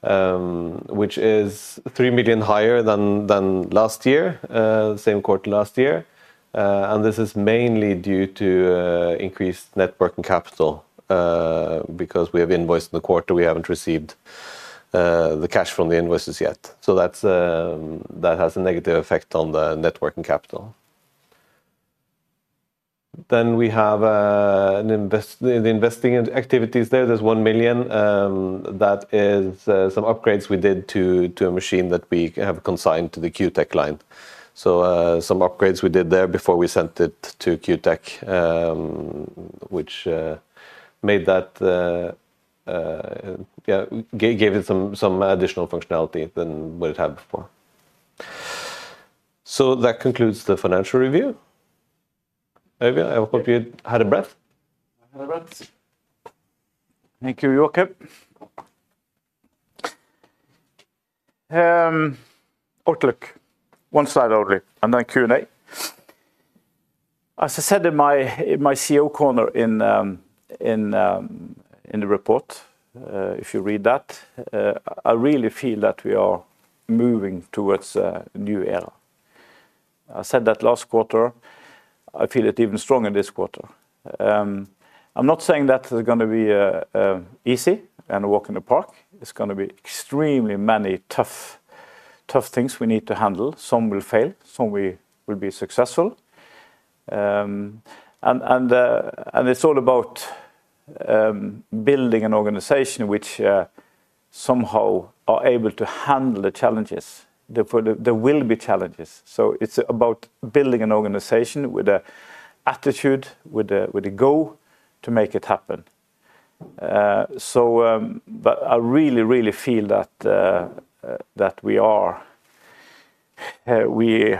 which is $3 million higher than the same quarter last year. This is mainly due to increased networking capital because we have invoiced in the quarter. We haven't received the cash from the invoices yet, so that has a negative effect on the networking capital. In the investing activities, there's $1 million. That is some upgrades we did to a machine that we have consigned to the Q Tech client. Some upgrades we did there before we sent it to Q Tech, which gave it some additional functionality than what it had before. That concludes the financial review. I hope you had a breath. Thank you, Joakim. Outlook. One slide only, and then Q&A. As I said in my CEO corner in the report, if you read that, I really feel that we are moving towards a new era. I said that last quarter. I feel it even stronger this quarter. I'm not saying that it's going to be easy and a walk in the park. It's going to be extremely many tough things we need to handle. Some will fail. Some will be successful. It's all about building an organization which somehow is able to handle the challenges. There will be challenges. It's about building an organization with an attitude, with a goal to make it happen. I really, really feel that we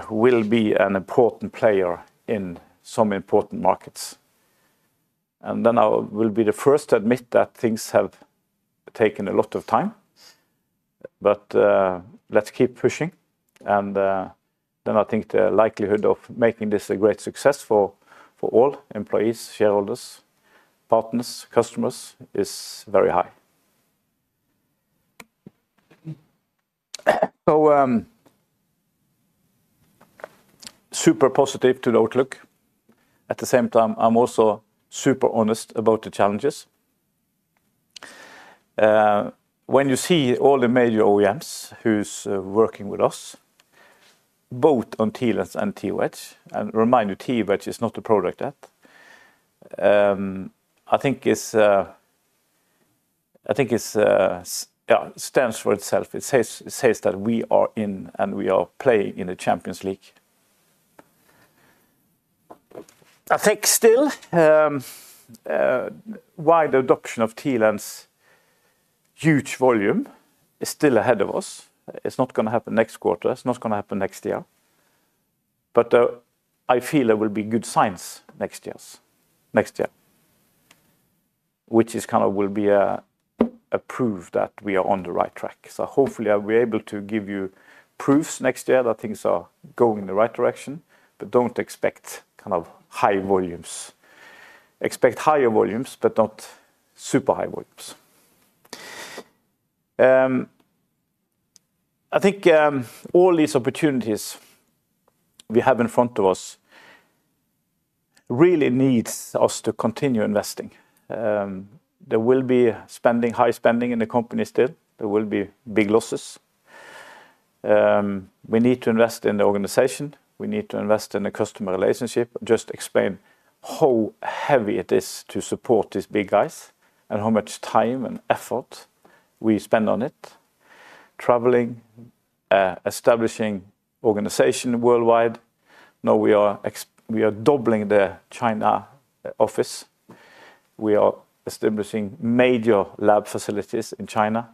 will be an important player in some important markets. I will be the first to admit that things have taken a lot of time. Let's keep pushing. I think the likelihood of making this a great success for all employees, shareholders, partners, customers is very high. Super positive to the outlook. At the same time, I'm also super honest about the challenges. When you see all the major OEMs who are working with us, both on TLens and T-Wedge, and remind you, T-Wedge is not a product yet. I think it stands for itself. It says that we are in and we are playing in the Champions League. I think still wide adoption of TLens, huge volume is still ahead of us. It's not going to happen next quarter. It's not going to happen next year. I feel there will be good signs next year, which is kind of will be a proof that we are on the right track. Hopefully I'll be able to give you proofs next year that things are going in the right direction. Don't expect kind of high volumes. Expect higher volumes, but not super high volumes. I think all these opportunities we have in front of us really need us to continue investing. There will be high spending in the company still. There will be big losses. We need to invest in the organization. We need to invest in the customer relationship. Just explain how heavy it is to support these big guys and how much time and effort we spend on it. Traveling, establishing organization worldwide. Now we are doubling the China office. We are establishing major lab facilities in China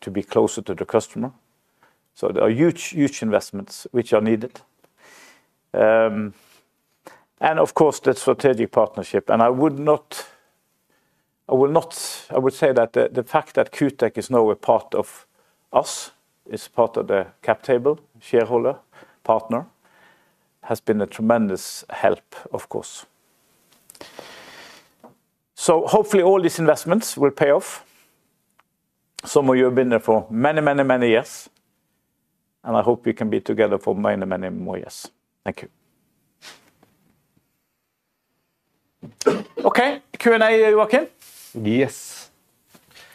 to be closer to the customer. There are huge, huge investments which are needed. Of course, the strategic partnership. I would say that the fact that Q Tech is now a part of us, is part of the cap table, shareholder, partner, has been a tremendous help, of course. Hopefully all these investments will pay off. Some of you have been there for many, many, many years. I hope we can be together for many, many more years. Thank you. Okay, Q&A, Joakim? Yes.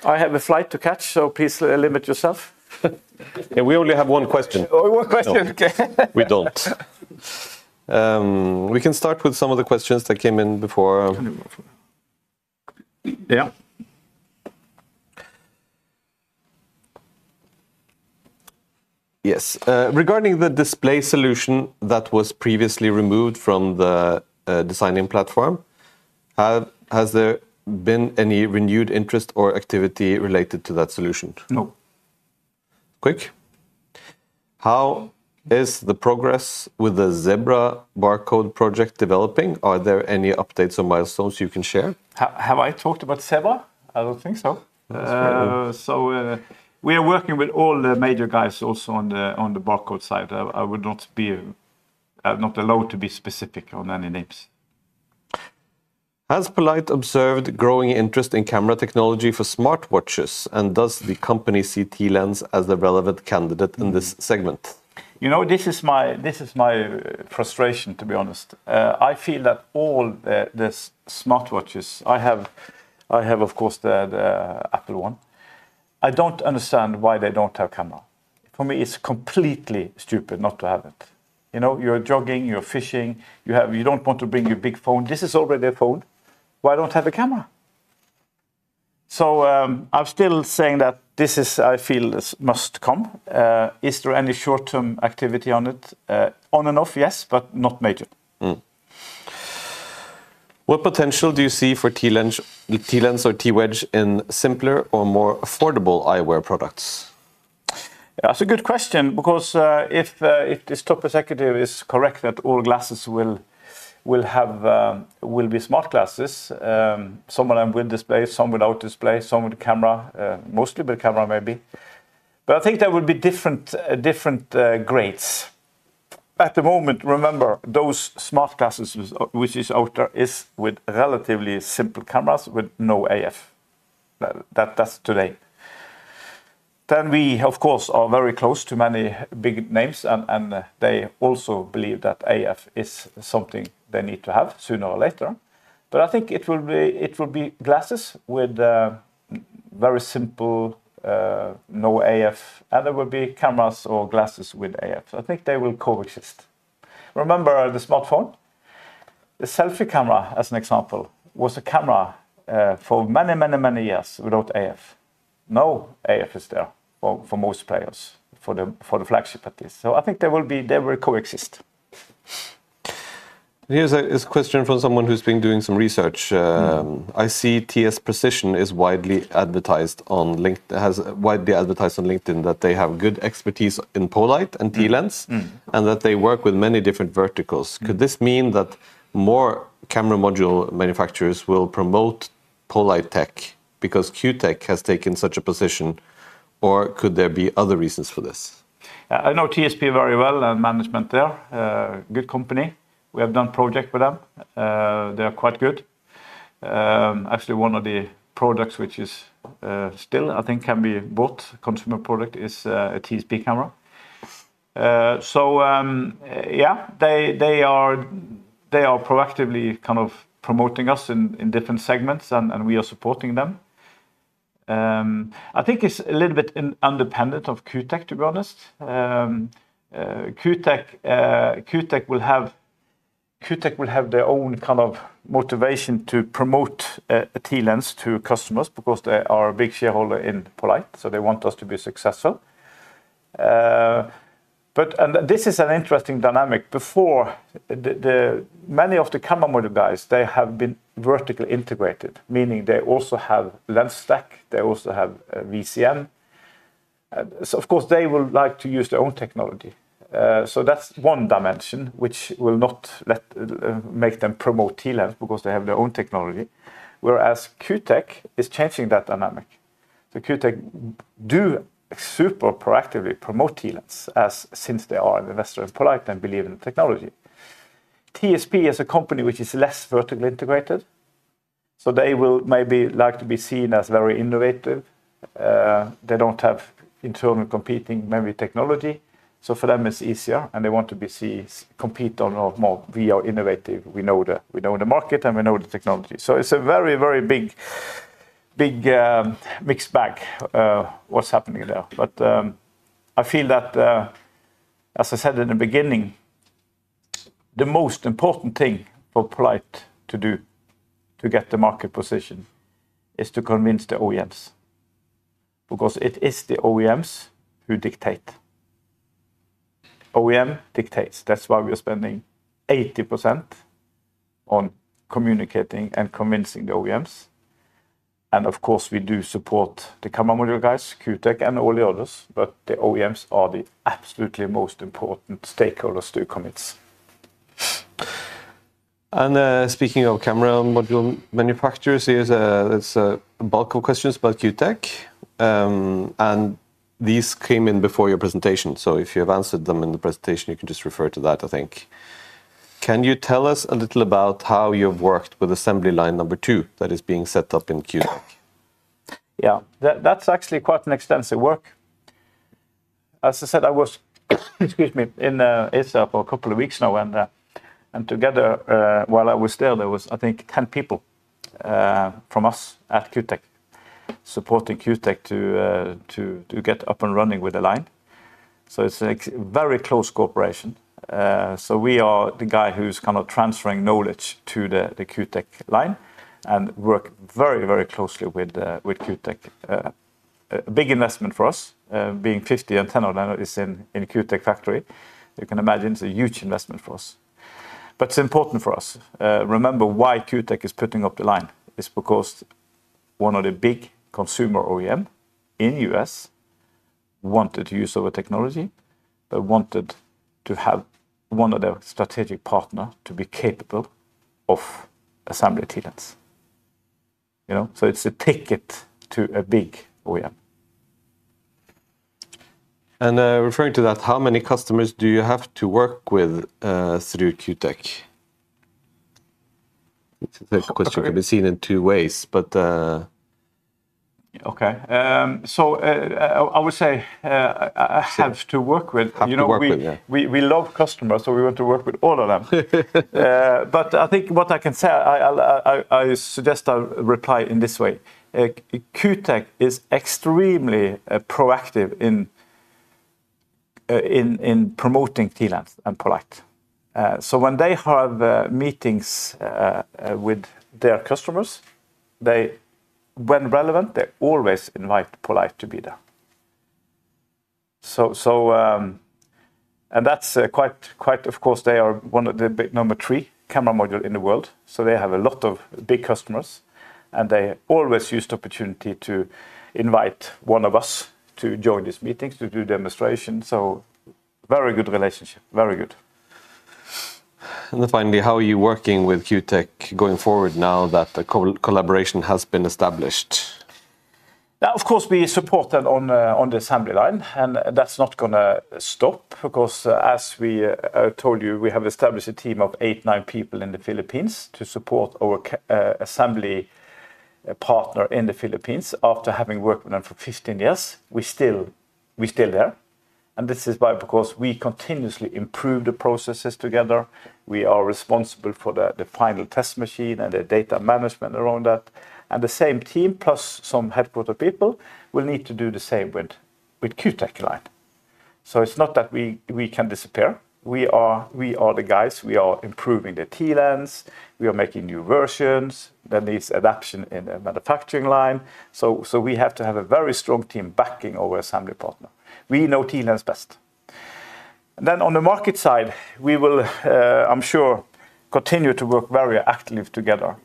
I have a flight to catch, so please limit yourself. Yeah, we only have one question. Oh, one question. Okay. We don't. We can start with some of the questions that came in before. Yes. Regarding the display solution that was previously removed from the designing platform, has there been any renewed interest or activity related to that solution? No. Quick. How is the progress with the Zebra barcode project developing? Are there any updates or milestones you can share? Have I talked about Zebra? I don't think so. We are working with all the major guys also on the barcode side. I'm not allowed to be specific on any names. Has poLight observed growing interest in camera technology for smartwatches? Does the company see TLens as the relevant candidate in this segment? You know, this is my frustration, to be honest. I feel that all the smartwatches I have, I have, of course, the Apple one. I don't understand why they don't have a camera. For me, it's completely stupid not to have it. You know, you're jogging, you're fishing, you don't want to bring your big phone. This is already a phone. Why don't I have a camera? I feel it must come. Is there any short-term activity on it? On and off, yes, but not major. What potential do you see for TLens or T-Wedge in simpler or more affordable eyewear products? Yeah, that's a good question because if the top executive is correct that all glasses will be smart glasses, some of them with display, some without display, some with camera, mostly with camera maybe. I think there will be different grades. At the moment, remember, those smart glasses which are out there are with relatively simple cameras with no AF. That's today. We, of course, are very close to many big names and they also believe that AF is something they need to have sooner or later. I think it will be glasses with very simple, no AF, and there will be cameras or glasses with AF. I think they will coexist. Remember the smartphone? The selfie camera, as an example, was a camera for many, many, many years without AF. Now AF is there for most players, for the flagship at least. I think they will coexist. Here's a question from someone who's been doing some research. I see TS Precision has widely advertised on LinkedIn that they have good expertise in poLight and TLens and that they work with many different verticals. Could this mean that more camera module manufacturers will promote poLight tech because Q Tech has taken such a position, or could there be other reasons for this? I know TSP very well and management there. Good company. We have done a project with them. They are quite good. Actually, one of the products which is still, I think, can be bought, a consumer product, is a TSP camera. They are proactively kind of promoting us in different segments and we are supporting them. I think it's a little bit independent of Q Tech, to be honest. Q Tech will have their own kind of motivation to promote TLens to customers because they are a big shareholder in poLight so they want us to be successful. This is an interesting dynamic. Before, many of the camera module guys have been vertically integrated, meaning they also have lens stack. They also have VCM. Of course, they will like to use their own technology. That is one dimension which will not make them promote TLens because they have their own technology, whereas Q Tech is changing that dynamic. Q Tech does super proactively promote TLens since they are an investor in poLight and believe in the technology. TSP is a company which is less vertically integrated. They will maybe like to be seen as very innovative. They don't have internal competing memory technology. For them, it's easier and they want to be seen as competing on more very innovative. We know the market and we know the technology. It's a very, very big mixed bag what's happening there. I feel that, as I said in the beginning, the most important thing for poLight ASA to do to get the market position is to convince the OEMs because it is the OEMs who dictate. OEM dictates. That is why we are spending 80% on communicating and convincing the OEMs. Of course, we do support the camera module guys, Q Tech and all the others, but the OEMs are the absolutely most important stakeholders to convince. Speaking of camera module manufacturers, here's a bulk of questions about Q Tech. These came in before your presentation. If you have answered them in the presentation, you can just refer to that, I think. Can you tell us a little about how you've worked with assembly line number two that is being set up in Q Tech? Yeah, that's actually quite an extensive work. As I said, I was in the ASAP a couple of weeks now. Together, while I was there, there was, I think, 10 people from us at Q Tech supporting Q Technology Group to get up and running with the line. It's a very close cooperation. We are the guy who's kind of transferring knowledge to the Q Tech line and work very, very closely with Q Tech. A big investment for us, being 50 and 10 of them is in the Q Tech factory. You can imagine it's a huge investment for us. It's important for us. Remember why Q Tech is putting up the line. It's because one of the big consumer OEMs in the U.S. wanted to use our technology, but wanted to have one of their strategic partners to be capable of assembly TLens. You know, it's a ticket to a big OEM. Referring to that, how many customers do you have to work with through Q Tech? It's a question that can be seen in two ways. Okay. I would say I have to work with, you know, we love customers, so we want to work with all of them. I think what I can say, I suggest I reply in this way. Q Tech is extremely proactive in promoting TLens and poLight. When they have meetings with their customers, when relevant, they always invite poLight to be there. That's quite, of course, they are one of the number three camera modules in the world. They have a lot of big customers, and they always use the opportunity to invite one of us to join these meetings, to do demonstrations. Very good relationship, very good. How are you working with Q Tech going forward now that the collaboration has been established? Of course, we support them on the assembly line. That's not going to stop because, as we told you, we have established a team of eight, nine people in the Philippines to support our assembly partner in the Philippines. After having worked with them for 15 years, we're still there. This is why, because we continuously improve the processes together. We are responsible for the final test machine and the data management around that. The same team, plus some headquarter people, will need to do the same with Q Tech line. It's not that we can disappear. We are the guys. We are improving the TLens. We are making new versions. There needs adoption in the manufacturing line. We have to have a very strong team backing our assembly partner. We know TLens best. On the market side, we will, I'm sure, continue to work very actively together.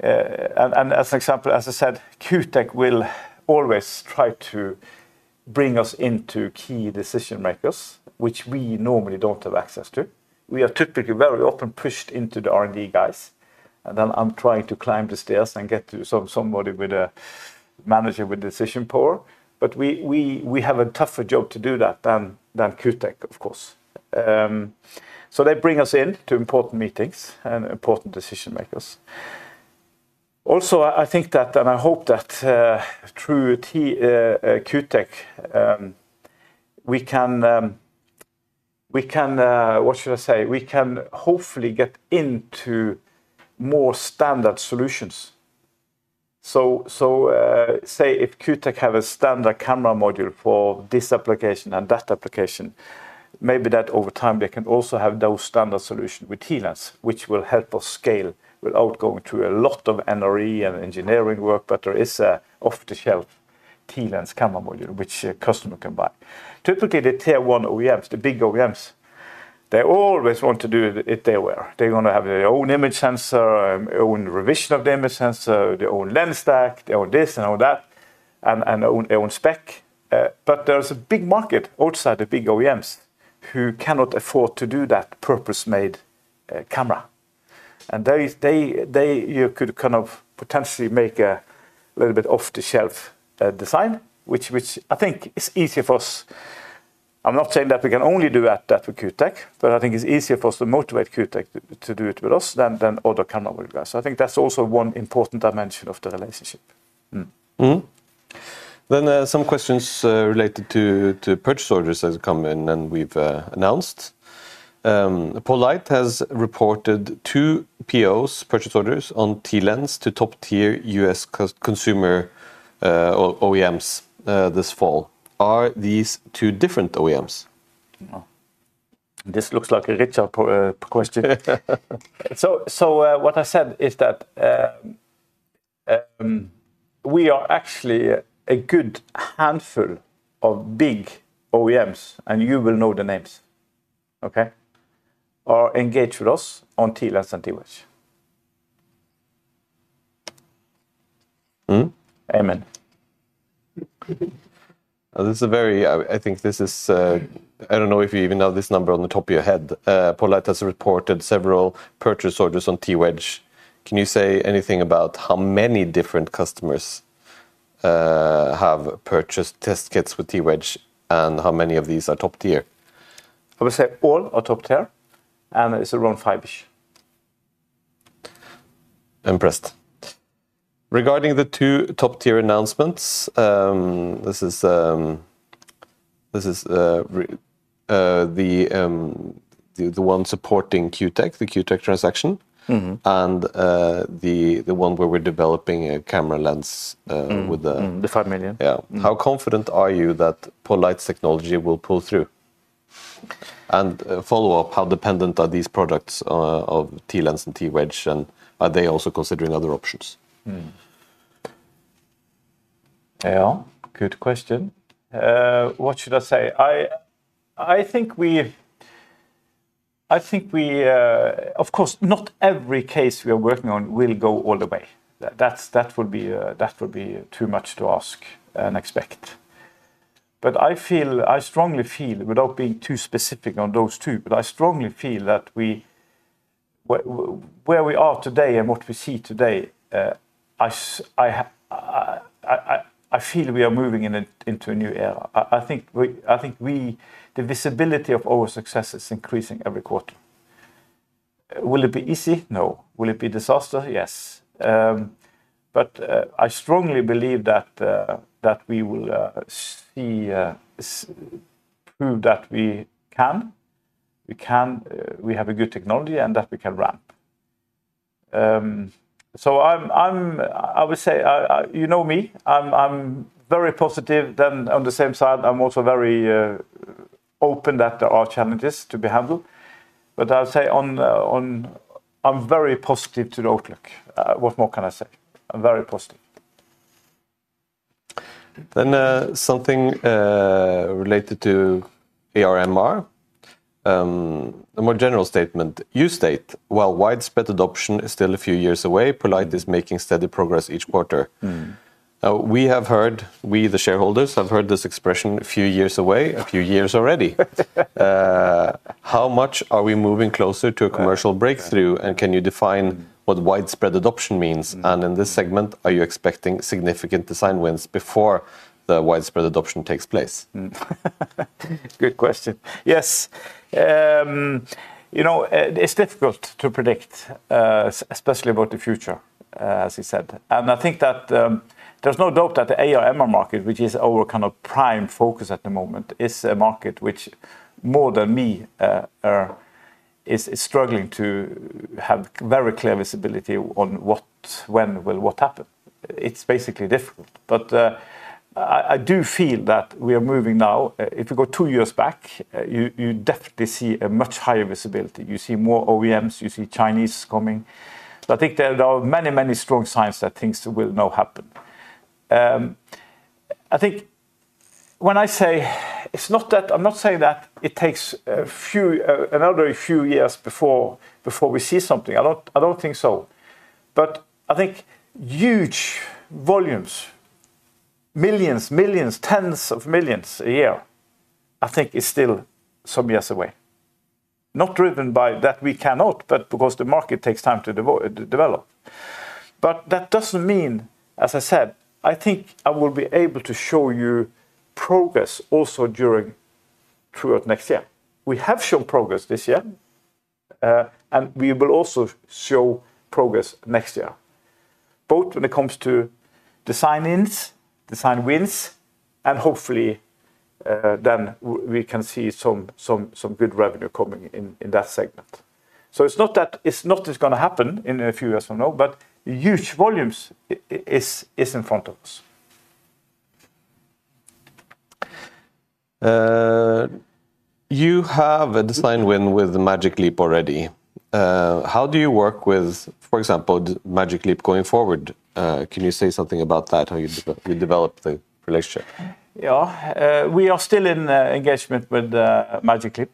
As an example, as I said, Q Tech will always try to bring us into key decision makers, which we normally don't have access to. We are typically very often pushed into the R&D guys. I'm trying to climb the stairs and get to somebody with a manager with decision power. We have a tougher job to do that than Q Tech, of course. They bring us in to important meetings and important decision makers. Also, I think that, and I hope that through Q Tech, we can, what should I say, we can hopefully get into more standard solutions. Say if Q Tech has a standard camera module for this application and that application, maybe that over time they can also have those standard solutions with TLens, which will help us scale without going through a lot of NRE and engineering work. There is an off-the-shelf TLens camera module, which a customer can buy. Typically, the tier one OEMs, the big OEMs, they always want to do it their way. They want to have their own image sensor, their own revision of the image sensor, their own lens stack, their own this and their own that, and their own spec. There's a big market outside the big OEMs who cannot afford to do that. Prismate camera. They could kind of potentially make a little bit off-the-shelf design, which I think is easier for us. I'm not saying that we can only do that with Q Tech, but I think it's easier for us to motivate Q Tech to do it with us than other camera workers. I think that's also one important dimension of the relationship. Some questions related to purchase orders that have come in and we've announced. poLight has reported two POs, purchase orders, on TLens to top-tier U.S. consumer OEMs this fall. Are these two different OEMs? This looks like a Richard question. What I said is that we are actually a good handful of big OEMs, and you will know the names, OK? Are engaged with us on TLens and T-Wedge. This is a very, I think this is, I don't know if you even know this number on the top of your head. poLight has reported several purchase orders on T-Wedge. Can you say anything about how many different customers have purchased test kits with T-Wedge and how many of these are top tier? I would say all are top tier, and it's around five-ish. Impressed. Regarding the two top-tier announcements, this is the one supporting Q Tech, the Q Tech transaction, and the one where we're developing a camera lens with the. The $5 million. Yeah. How confident are you that poLight's technology will pull through? How dependent are these products of TLens and T-Wedge, and are they also considering other options? Good question. What should I say? Of course, not every case we are working on will go all the way. That would be too much to ask and expect. I strongly feel, without being too specific on those two, that where we are today and what we see today, we are moving into a new era. I think the visibility of our success is increasing every quarter. Will it be easy? No. Will it be a disaster? Yes. I strongly believe that we will prove that we have a good technology and that we can ramp. I would say, you know me, I'm very positive. On the same side, I'm also very open that there are challenges to be handled. I would say I'm very positive to the outlook. What more can I say? I'm very positive. Something related to AR/MR, a more general statement. You state, while widespread adoption is still a few years away, poLight is making steady progress each quarter. We, the shareholders, have heard this expression, a few years away, a few years already. How much are we moving closer to a commercial breakthrough, and can you define what widespread adoption means? In this segment, are you expecting significant design wins before the widespread adoption takes place? Good question. Yes. You know, it's difficult to predict, especially about the future, as he said. I think that there's no doubt that the AR/MR market, which is our kind of prime focus at the moment, is a market which, more than me, is struggling to have very clear visibility on what, when will what happen. It's basically difficult. I do feel that we are moving now. If you go two years back, you definitely see a much higher visibility. You see more OEMs. You see Chinese coming. I think there are many, many strong signs that things will now happen. I think when I say, it's not that I'm not saying that it takes another few years before we see something. I don't think so. I think huge volumes, millions, millions, tens of millions a year, I think is still some years away. Not driven by that we cannot, but because the market takes time to develop. That doesn't mean, as I said, I think I will be able to show you progress also throughout next year. We have shown progress this year. We will also show progress next year, both when it comes to design wins, and hopefully then we can see some good revenue coming in that segment. It's not that it's not going to happen in a few years from now, but huge volumes are in front of us. You have a design win with Magic Leap already. How do you work with, for example, Magic Leap going forward? Can you say something about that, how you develop the relationship? Yeah. We are still in engagement with Magic Leap.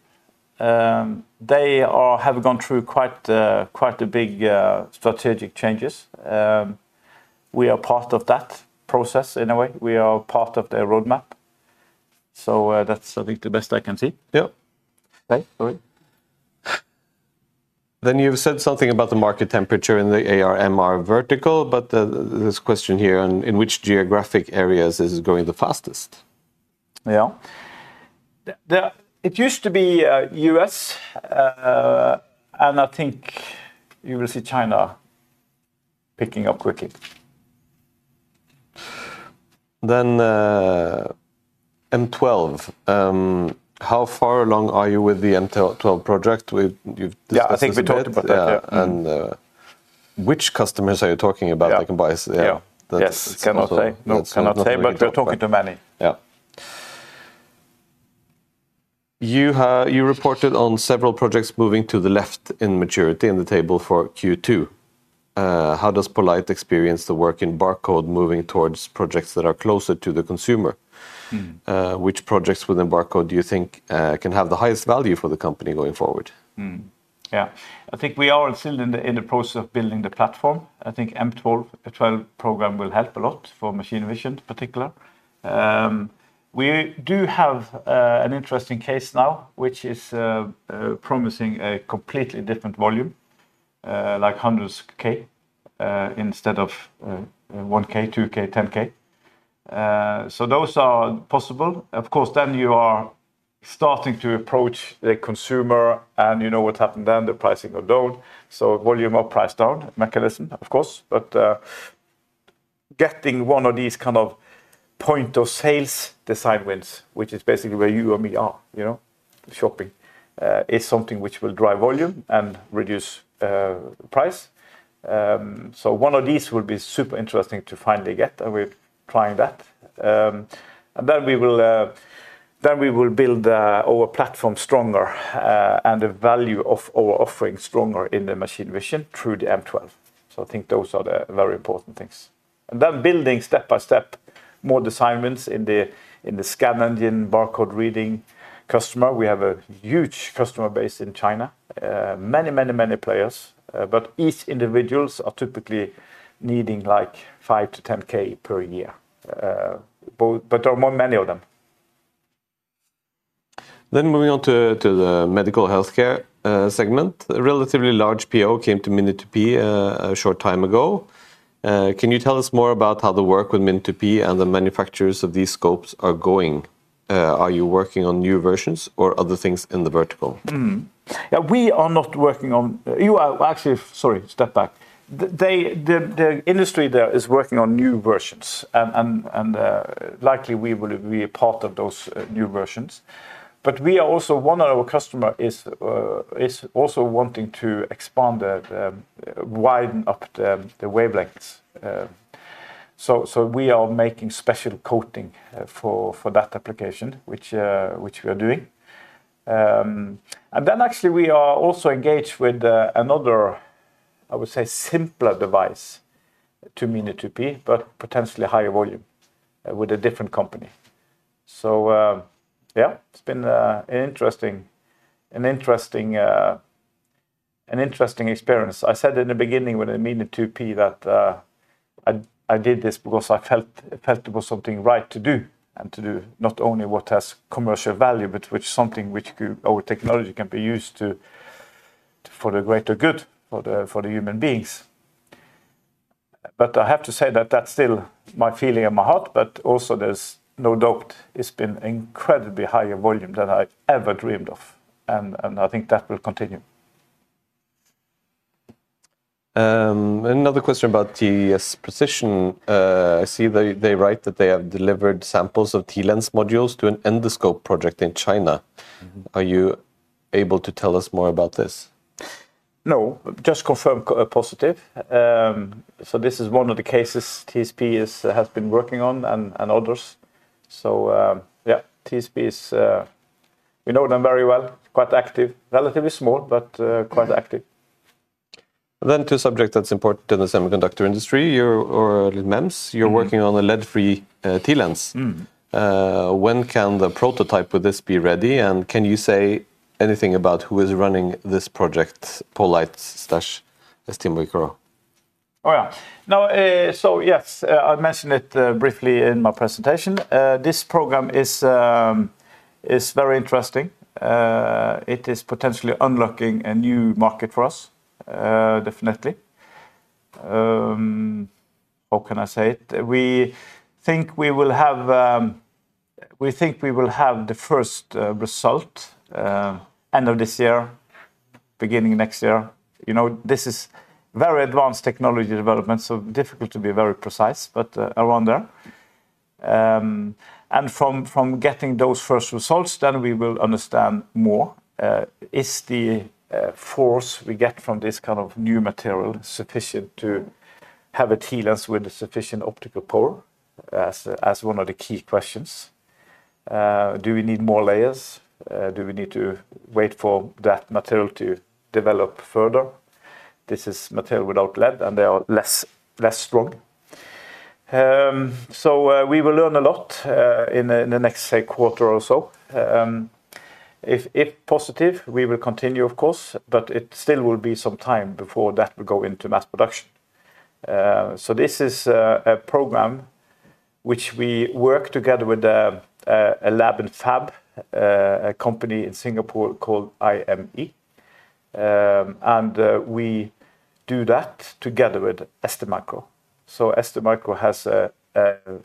They have gone through quite a big strategic changes. We are part of that process in a way, and we are part of their roadmap. That's, I think, the best I can see. Yeah. Sorry. You've said something about the market temperature in the AR/MR vertical, but this question here, in which geographic areas is it going the fastest? Yeah. It used to be U.S., and I think you will see China picking up quickly. How far along are you with the M12 project? Yeah, I think we talked about that. Which customers are you talking about that can buy? Yeah. Yes. Cannot say. No, cannot say. We're talking to many. You reported on several projects moving to the left in maturity in the table for Q2. How does poLight experience the work in barcode moving towards projects that are closer to the consumer? Which projects within barcode do you think can have the highest value for the company going forward? Yeah. I think we are still in the process of building the platform. I think M12 program will help a lot for machine vision in particular. We do have an interesting case now, which is promising a completely different volume, like hundreds K instead of 1K, 2K, 10K. Those are possible. Of course, you are starting to approach the consumer, and you know what happens then, the pricing or don't. Volume or price down mechanism, of course. Getting one of these kind of point of sales design wins, which is basically where you or me are, you know, shopping, is something which will drive volume and reduce price. One of these will be super interesting to finally get. We're trying that. We will build our platform stronger and the value of our offering stronger in the machine vision through the M12 standard lens. I think those are the very important things. Building step by step more design wins in the scan engine, barcode reading customer. We have a huge customer base in China, many, many, many players. Each individual is typically needing like 5 to 10K per year. There are many of them. Moving on to the medical health care segment, a relatively large PO came to Mini2P a short time ago. Can you tell us more about how the work with Mini2P and the manufacturers of these scopes are going? Are you working on new versions or other things in the vertical? We are not working on, sorry, step back. The industry there is working on new versions. Likely, we will be a part of those new versions. One of our customers is also wanting to expand and widen up the wavelengths. We are making special coating for that application, which we are doing. Actually, we are also engaged with another, I would say, simpler device to Mini2P, but potentially higher volume with a different company. It's been an interesting experience. I said in the beginning when I meant Mini2P that I did this because I felt it was something right to do and to do not only what has commercial value, but which is something which our technology can be used for the greater good, for the human beings. I have to say that that's still my feeling in my heart. There's no doubt it's been incredibly higher volume than I ever dreamed of. I think that will continue. Another question about TS precision. I see they write that they have delivered samples of TLens modules to an endoscope project in China. Are you able to tell us more about this? No, just confirm positive. This is one of the cases TSP has been working on and others. TSP is, we know them very well. Quite active, relatively small, but quite active. To a subject that's important in the semiconductor industry, you're working on a lead-free TLens. When can the prototype with this be ready? Can you say anything about who is running this project, poLight/SteamWave Coral? Oh, yeah. Yes, I mentioned it briefly in my presentation. This program is very interesting. It is potentially unlocking a new market for us, definitely. How can I say it? We think we will have the first result end of this year, beginning next year. You know, this is very advanced technology development, so difficult to be very precise, but around there. From getting those first results, then we will understand more. Is the force we get from this kind of new material sufficient to have a TLens with sufficient optical power? That's one of the key questions. Do we need more layers? Do we need to wait for that material to develop further? This is material without lead, and they are less strong. We will learn a lot in the next, say, quarter or so. If positive, we will continue, of course. It still will be some time before that will go into mass production. This is a program which we work together with a lab and fab company in Singapore called IME. We do that together with STMicro. STMicro has a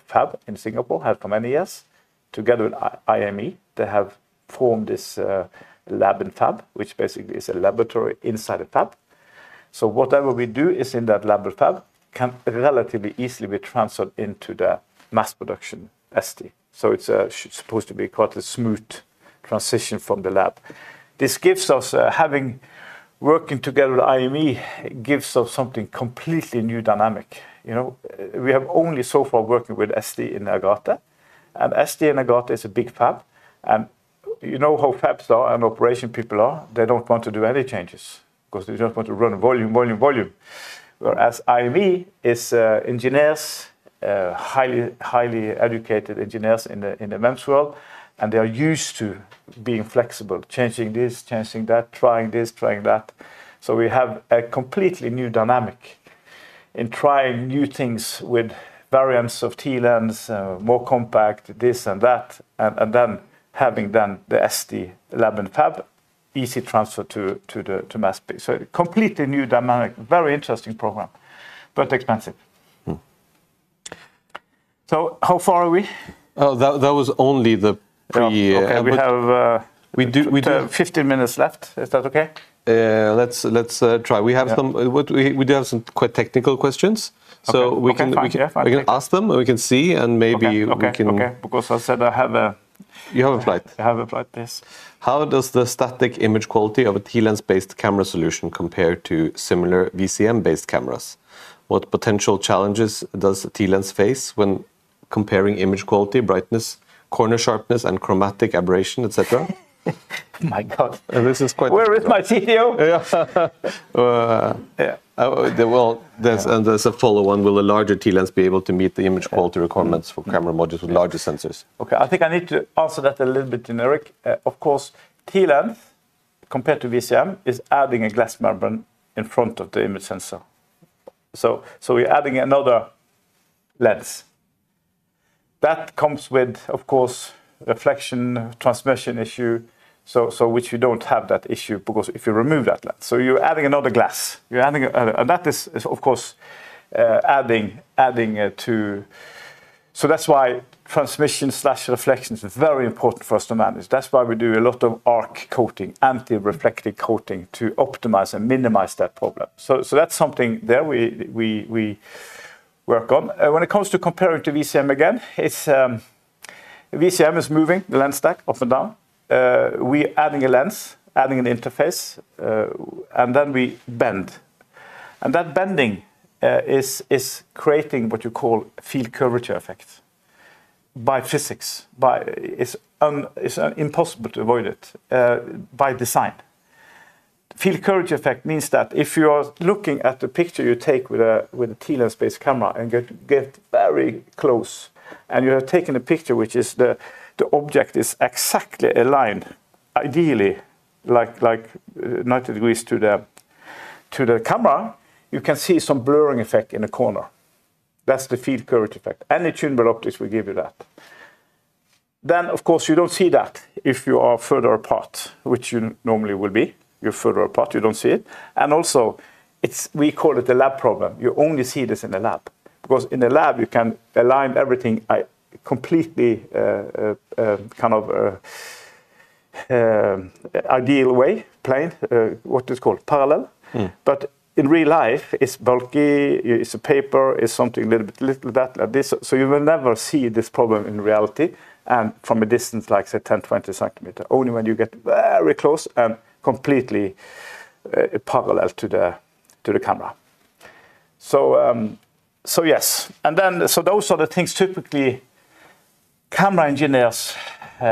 fab in Singapore, had for many years. Together with IME, they have formed this lab and fab, which basically is a laboratory inside a fab. Whatever we do in that lab and fab can relatively easily be transferred into the mass production, ST. It is supposed to be quite a smooth transition from the lab. This gives us, having working together with IME, something completely new dynamic. We have only so far worked with ST in Nagata. ST in Nagata is a big fab. You know how fabs are and operation people are. They don't want to do any changes because they just want to run volume, volume, volume. IME is engineers, highly educated engineers in the MEMS world. They are used to being flexible, changing this, changing that, trying this, trying that. We have a completely new dynamic in trying new things with variants of TLens, more compact, this and that. Having done the ST lab and fab, easy transfer to mass. A completely new dynamic, very interesting program, but expensive. How far are we? Oh, that was only the pre. OK, we have 15 minutes left. Is that OK? Let's try. We do have some quite technical questions. We can ask them, and we can see, and maybe we can. OK, because I said I have a. You have a flight. I have a flight, yes. How does the static image quality of a TLens-based camera solution compare to similar VCM-based cameras? What potential challenges does a TLens face when comparing image quality, brightness, corner sharpness, and chromatic aberration, et cetera? My God. This is quite. Where is my studio? Yeah, there's a follow-on. Will a larger TLens be able to meet the image quality requirements for camera modules with larger sensors? OK, I think I need to answer that a little bit generic. Of course, TLens compared to VCM is adding a glass membrane in front of the image sensor. We're adding another lens. That comes with, of course, reflection/transmission issue, which we don't have if you remove that lens. You're adding another glass, and that is, of course, adding to it. That's why transmission/reflection is very important for us to manage. That's why we do a lot of AR coating, anti-reflective coating, to optimize and minimize that problem. That's something we work on. When it comes to comparing to VCM again, VCM is moving the lens stack up and down. We're adding a lens, adding an interface, and then we bend. That bending is creating what you call field curvature effect by physics. It's impossible to avoid it by design. Field curvature effect means that if you are looking at the picture you take with a TLens-based camera and get very close, and you have taken a picture where the object is exactly aligned, ideally, like 90 degrees to the camera, you can see some blurring effect in the corner. That's the field curvature effect. Any tunable optics will give you that. You don't see that if you are further apart, which you normally will be. You're further apart, you don't see it. We call it the lab problem. You only see this in the lab because in the lab, you can align everything in a completely kind of ideal way, plain, what is called parallel. In real life, it's bulky, it's a paper, it's something a little bit like that. You will never see this problem in reality and from a distance like, say, 10, 20 centimeters, only when you get very close and completely parallel to the camera. Yes, those are the things typically camera engineers who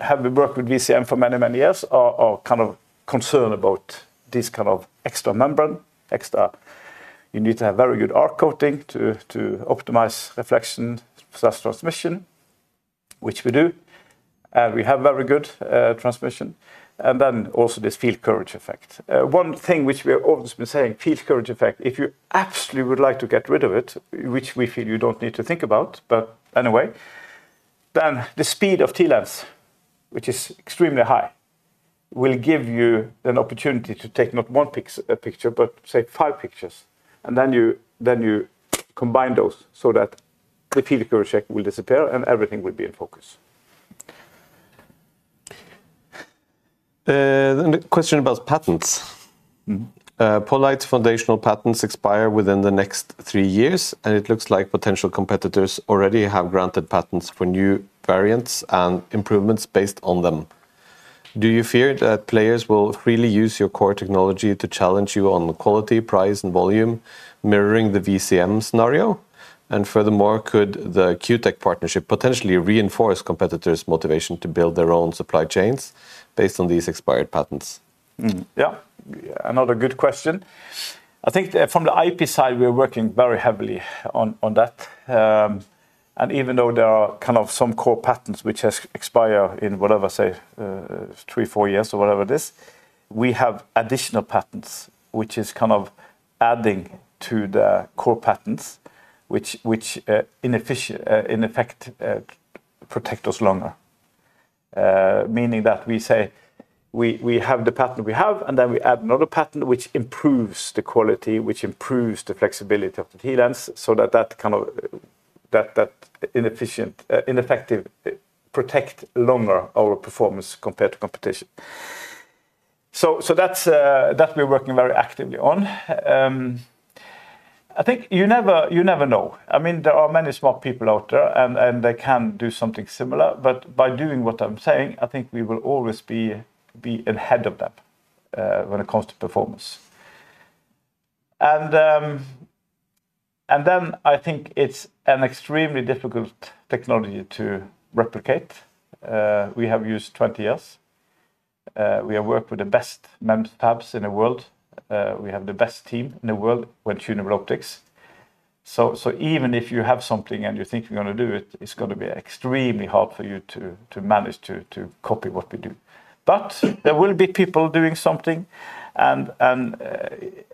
have worked with VCM for many, many years are kind of concerned about, this kind of extra membrane. You need to have very good ARC coating to optimize reflection/transmission, which we do. We have very good transmission. Also, this field curvature effect. One thing which we have always been saying, field curvature effect, if you absolutely would like to get rid of it, which we feel you don't need to think about, but anyway, the speed of TLens, which is extremely high, will give you an opportunity to take not one picture, but say five pictures. You combine those so that the field curvature will disappear and everything will be in focus. A question about patents. poLight's foundational patents expire within the next three years. It looks like potential competitors already have granted patents for new variants and improvements based on them. Do you fear that players will freely use your core technology to challenge you on quality, price, and volume, mirroring the VCM scenario? Furthermore, could the Q Tech partnership potentially reinforce competitors' motivation to build their own supply chains based on these expired patents? Yeah, another good question. I think from the IP side, we are working very heavily on that. Even though there are kind of some core patents which expire in, whatever, say, three, four years, or whatever it is, we have additional patents, which is kind of adding to the core patents, which in effect protect us longer. Meaning that we say we have the patent we have, and then we add another patent which improves the quality, which improves the flexibility of the TLens so that that kind of, in effect, protects longer our performance compared to competition. We are working very actively on that. I think you never know. There are many smart people out there, and they can do something similar. By doing what I'm saying, I think we will always be ahead of them when it comes to performance. I think it's an extremely difficult technology to replicate. We have used 20 years. We have worked with the best MEMS fabs in the world. We have the best team in the world within tunable optics. Even if you have something and you think you are going to do it, it's going to be extremely hard for you to manage to copy what we do. There will be people doing something. On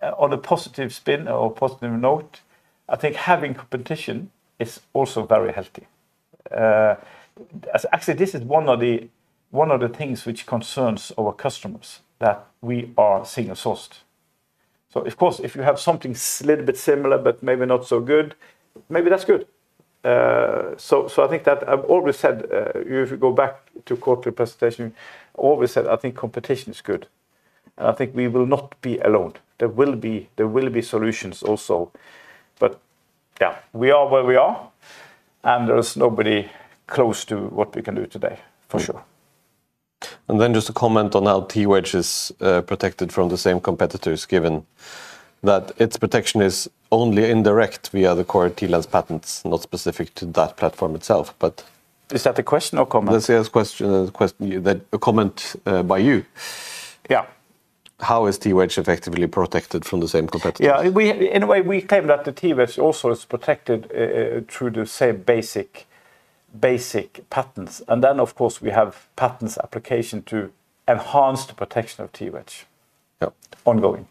a positive spin or positive note, I think having competition is also very healthy. Actually, this is one of the things which concerns our customers, that we are single sourced. Of course, if you have something a little bit similar, but maybe not so good, maybe that's good. I think that I've always said, if you go back to quarterly presentation, I always said I think competition is good. I think we will not be alone. There will be solutions also. We are where we are. There is nobody close to what we can do today, for sure. Just a comment on how T-Wedge is protected from the same competitors, given that its protection is only indirect via the core TLens patents, not specific to that platform itself. Is that the question or comment? That's a question, a comment by you. Yeah. How is T-Wedge effectively protected from the same competitors? Yeah, in a way, we claim that the T-Wedge also is protected through the same basic patents. Of course, we have patents application to enhance the protection of T-Wedge. Yeah. Ongoing.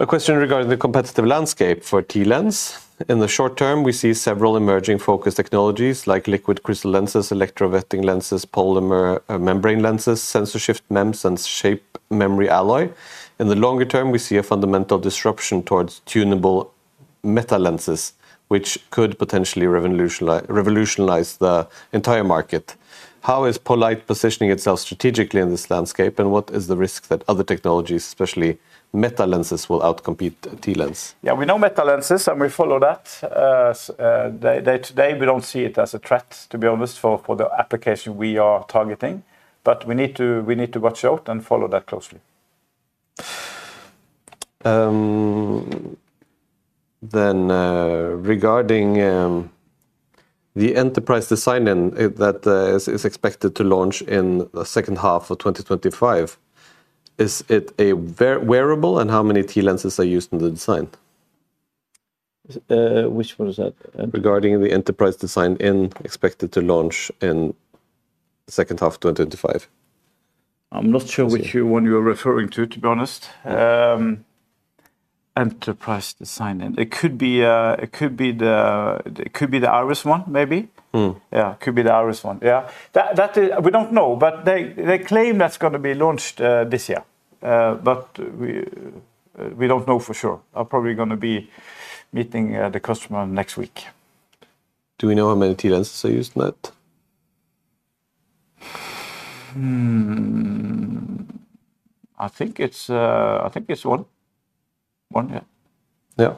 A question regarding the competitive landscape for TLens. In the short term, we see several emerging focus technologies like liquid crystal lenses, electrowetting lenses, polymer membrane lenses, sensor shift MEMS, and shape memory alloy. In the longer term, we see a fundamental disruption towards tunable metal lenses, which could potentially revolutionize the entire market. How is poLight positioning itself strategically in this landscape? What is the risk that other technologies, especially metal lenses, will outcompete TLens? Yeah, we know metal lenses, and we follow that. Today, we don't see it as a threat, to be honest, for the application we are targeting. We need to watch out and follow that closely. Regarding the enterprise design in that is expected to launch in the second half of 2025, is it wearable? How many TLens are used in the design? Which one is that? Regarding the enterprise design, it's expected to launch in the second half of 2025. I'm not sure which one you're referring to, to be honest. Enterprise design in. It could be the Iris one, maybe. Yeah, it could be the Iris one. We don't know. They claim that's going to be launched this year. We don't know for sure. I'm probably going to be meeting the customer next week. Do we know how many TLens are used in that? I think it's one. One, yeah.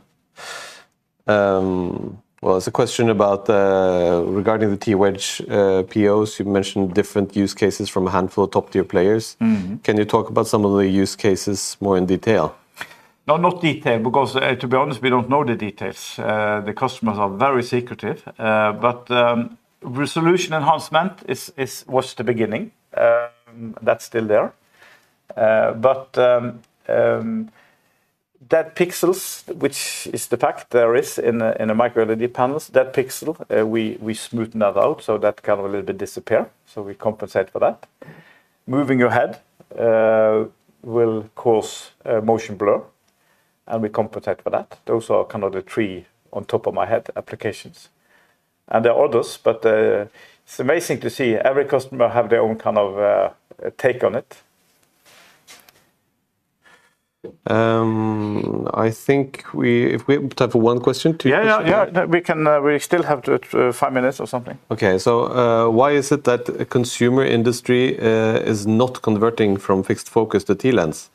Yeah, it's a question regarding the T-Wedge POs. You mentioned different use cases from a handful of top-tier players. Can you talk about some of the use cases more in detail? No, not detail because, to be honest, we don't know the details. The customers are very secretive. Resolution enhancement was the beginning. That's still there. Dead pixels, which is the fact there is in the micro LED panels, dead pixel, we smoothen that out so that can a little bit disappear. We compensate for that. Moving your head will cause motion blur, and we compensate for that. Those are kind of the three on top of my head applications. There are others. It's amazing to see every customer have their own kind of take on it. I think if we have time for one question, two questions? Yeah, yeah, we still have five minutes or something. OK. Why is it that the consumer industry is not converting from fixed focus to TLens?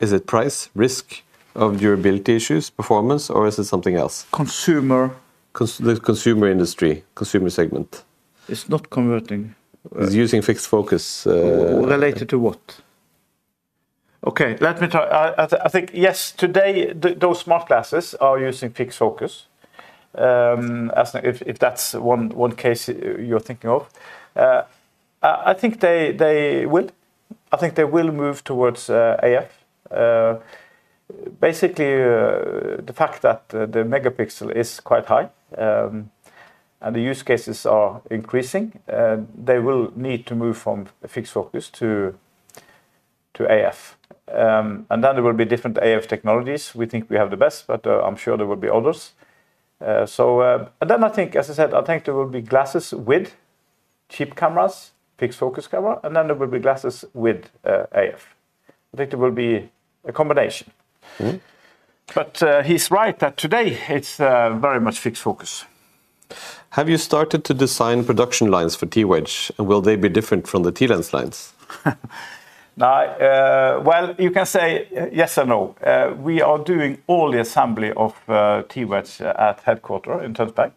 Is it price, risk of durability issues, performance, or is it something else? Consumer. The consumer industry, consumer segment. It's not converting. It's using fixed focus. Related to what? OK, let me try. I think, yes, today, those smart glasses are using fixed focus, if that's one case you're thinking of. I think they will move towards AF. Basically, the fact that the megapixel is quite high and the use cases are increasing, they will need to move from fixed focus to AF. There will be different AF technologies. We think we have the best, but I'm sure there will be others. I think there will be glasses with cheap cameras, fixed focus camera, and there will be glasses with AF. I think there will be a combination. He's right that today, it's very much fixed focus. Have you started to design production lines for T-Wedge? Will they be different from the TLens lines? You can say yes or no. We are doing all the assembly of T-Wedge at headquarter in Tønsberg.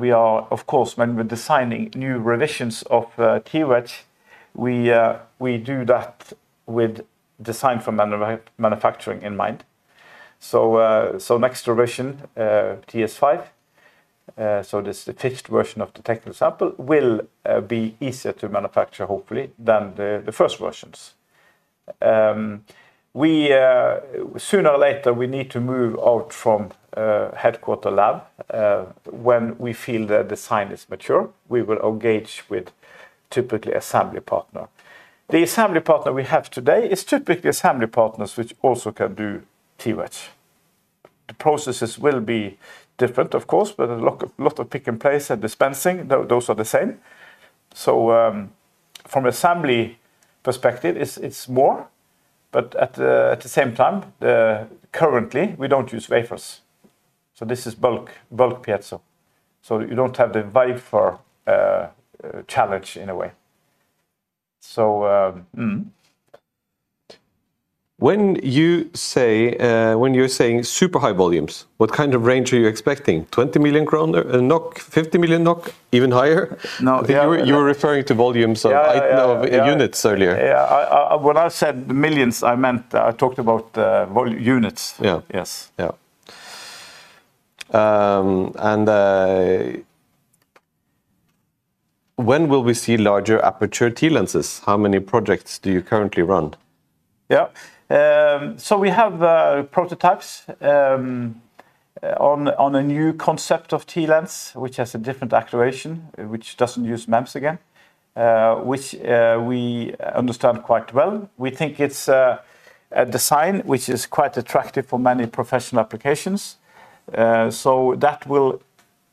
We are, of course, when we're designing new revisions of T-Wedge, we do that with design for manufacturing in mind. The next revision, TS5, this fixed version of the technical sample, will be easier to manufacture, hopefully, than the first versions. Sooner or later, we need to move out from headquarter lab. When we feel that the design is mature, we will engage with typically an assembly partner. The assembly partner we have today is typically assembly partners which also can do T-Wedge. The processes will be different, of course, but a lot of pick and place and dispensing, those are the same. From an assembly perspective, it's more. At the same time, currently, we don't use wafers. This is bulk piezo, so you don't have the wafer challenge in a way. When you say super high volumes, what kind of range are you expecting? 20 million kroner? 50 million NOK? Even higher? No. You were referring to volumes of units earlier. Yeah, when I said millions, I meant I talked about units. Yeah. Yes. When will we see larger aperture TLens? How many projects do you currently run? Yeah. We have prototypes on a new concept of TLens, which has a different actuation, which doesn't use MEMS again, which we understand quite well. We think it's a design which is quite attractive for many professional applications.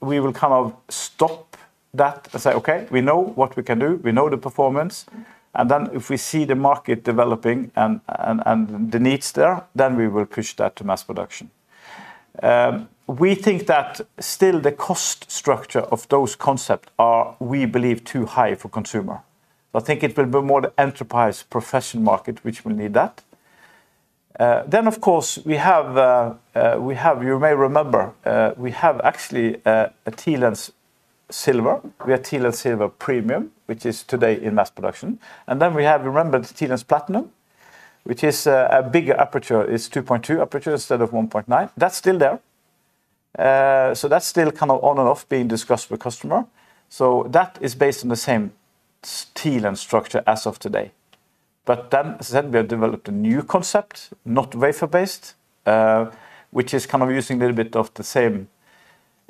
We will kind of stop that and say, OK, we know what we can do. We know the performance. If we see the market developing and the needs there, we will push that to mass production. We think that still the cost structure of those concepts is, we believe, too high for consumer. I think it will be more the enterprise professional market which will need that. Of course, you may remember, we have actually a TLens Silver. We have TLens Silver Premium, which is today in mass production. We have, you remember, the TLens Platinum, which is a bigger aperture. It's 2.2 aperture instead of 1.9. That's still there. That's still kind of on and off being discussed with customers. That is based on the same TLens structure as of today. As I said, we have developed a new concept, not wafer-based, which is kind of using a little bit of the same